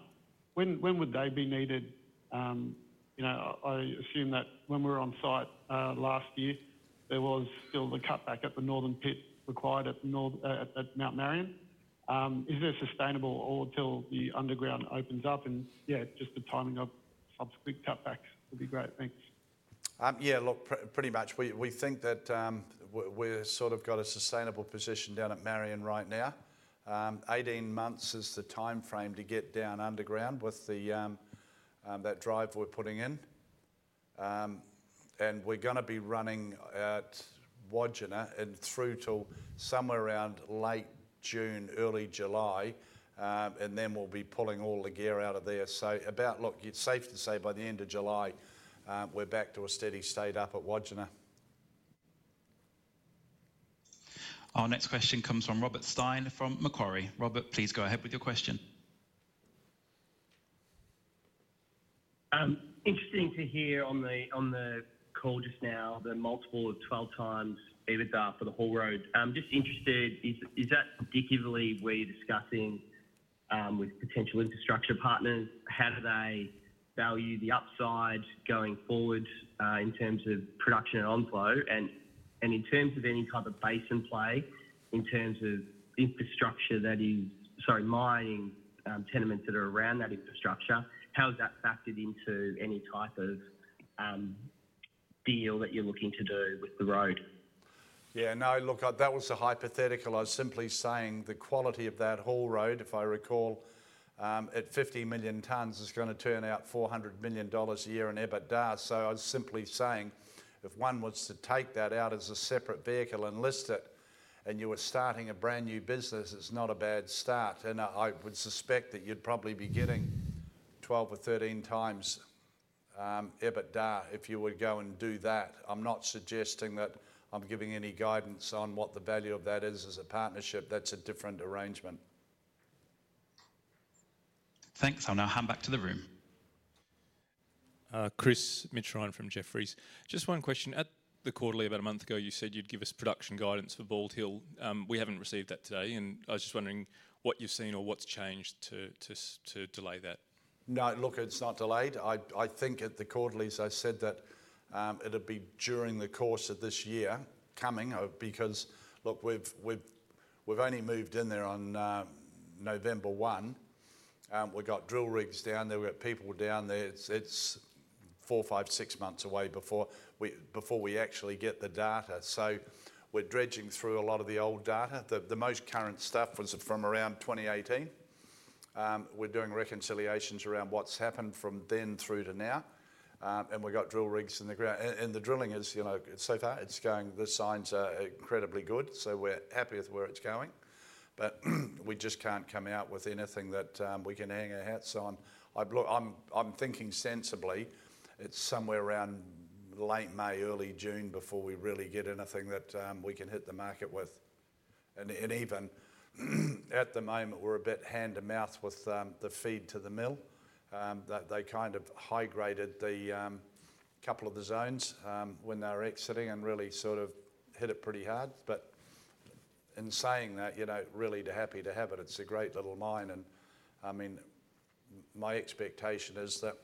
when would they be needed? You know, I assume that when we were on site last year, there was still the cutback at the northern pit required at Mount Marion. Is there sustainable or till the underground opens up? And yeah, just the timing of subsequent cutbacks would be great. Thanks. Yeah, look, pretty much we think that we've sort of got a sustainable position down at Marion right now. 18 months is the timeframe to get down underground with that drive we're putting in. And we're going to be running at Wodgina and through till somewhere around late June, early July, and then we'll be pulling all the gear out of there. So about, look, it's safe to say by the end of July we're back to a steady state up at Wodgina. Our next question comes from Robert Stein from Macquarie. Robert, please go ahead with your question. Interesting to hear on the call just now, the multiple of 12x EBITDA for the haul road. Just interested, is that predictively where you're discussing with potential infrastructure partners? How do they value the upside going forward in terms of production and Onslow? And in terms of any type of base in play, in terms of infrastructure that is, sorry, mining, tenements that are around that infrastructure, how is that factored into any type of deal that you're looking to do with the road? Yeah, no, look, that was a hypothetical. I was simply saying the quality of that haul road, if I recall, at 50 million tonnes is going to turn out 400 million dollars a year in EBITDA. So I was simply saying if one was to take that out as a separate vehicle and list it and you were starting a brand new business, it's not a bad start. And I would suspect that you'd probably be getting 12x or 13x EBITDA if you would go and do that. I'm not suggesting that I'm giving any guidance on what the value of that is as a partnership. That's a different arrangement. Thanks. I'll now hand back to the room. Mitch Ryan from Jefferies. Just one question. At the quarterly, about a month ago, you said you'd give us production guidance for Bald Hill. We haven't received that today. I was just wondering what you've seen or what's changed to delay that. No, look, it's not delayed. I think at the quarterly, as I said, that it'll be during the course of this year coming because, look, we've only moved in there on November 1. We've got drill rigs down there. We've got people down there. It's 4-6 months away before we actually get the data. So we're dredging through a lot of the old data. The most current stuff was from around 2018. We're doing reconciliations around what's happened from then through to now. And we've got drill rigs in the ground. And the drilling is, you know, so far it's going, the signs are incredibly good. So we're happy with where it's going. But we just can't come out with anything that we can hang our hats on. Look, I'm thinking sensibly it's somewhere around late May, early June before we really get anything that we can hit the market with. And even at the moment we're a bit hand-to-mouth with the feed to the mill. They kind of high-graded the couple of the zones when they were exiting and really sort of hit it pretty hard. But in saying that, you know, really too happy to have it. It's a great little mine. And I mean, my expectation is that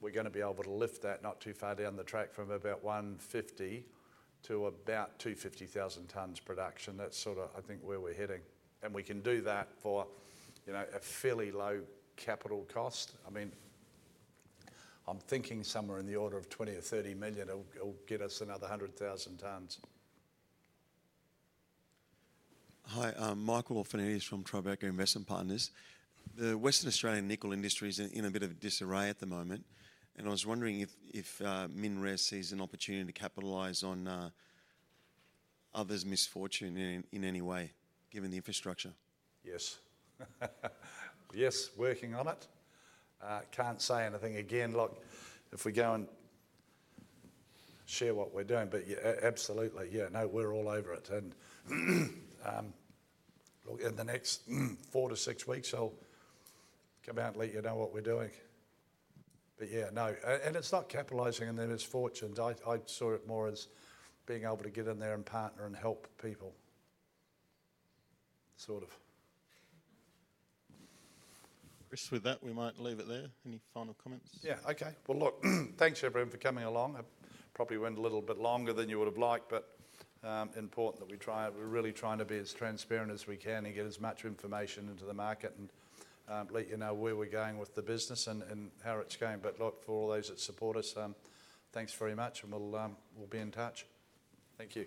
we're going to be able to lift that not too far down the track from about 150 to about 250,000 tonnes production. That's sort of, I think, where we're heading. And we can do that for, you know, a fairly low capital cost. I mean, I'm thinking somewhere in the order of 20 million or 30 million will get us another 100,000 tonnes. Hi, Michael Orphanides from Tribeca Investment Partners. The Western Australian nickel industry is in a bit of disarray at the moment. I was wondering if MinRes sees an opportunity to capitalize on others' misfortune in any way given the infrastructure. Yes. Yes, working on it. Can't say anything. Again, look, if we go and share what we're doing, but absolutely, yeah, no, we're all over it. Look, in the next 4-6 weeks I'll come out and let you know what we're doing. But yeah, no, and it's not capitalizing on their misfortunes. I saw it more as being able to get in there and partner and help people, sort of. Chris, with that, we might leave it there. Any final comments? Yeah, okay. Well, look, thanks everyone for coming along. I probably went a little bit longer than you would have liked, but important that we try and we're really trying to be as transparent as we can and get as much information into the market and let you know where we're going with the business and how it's going. But look, for all those that support us, thanks very much and we'll be in touch. Thank you.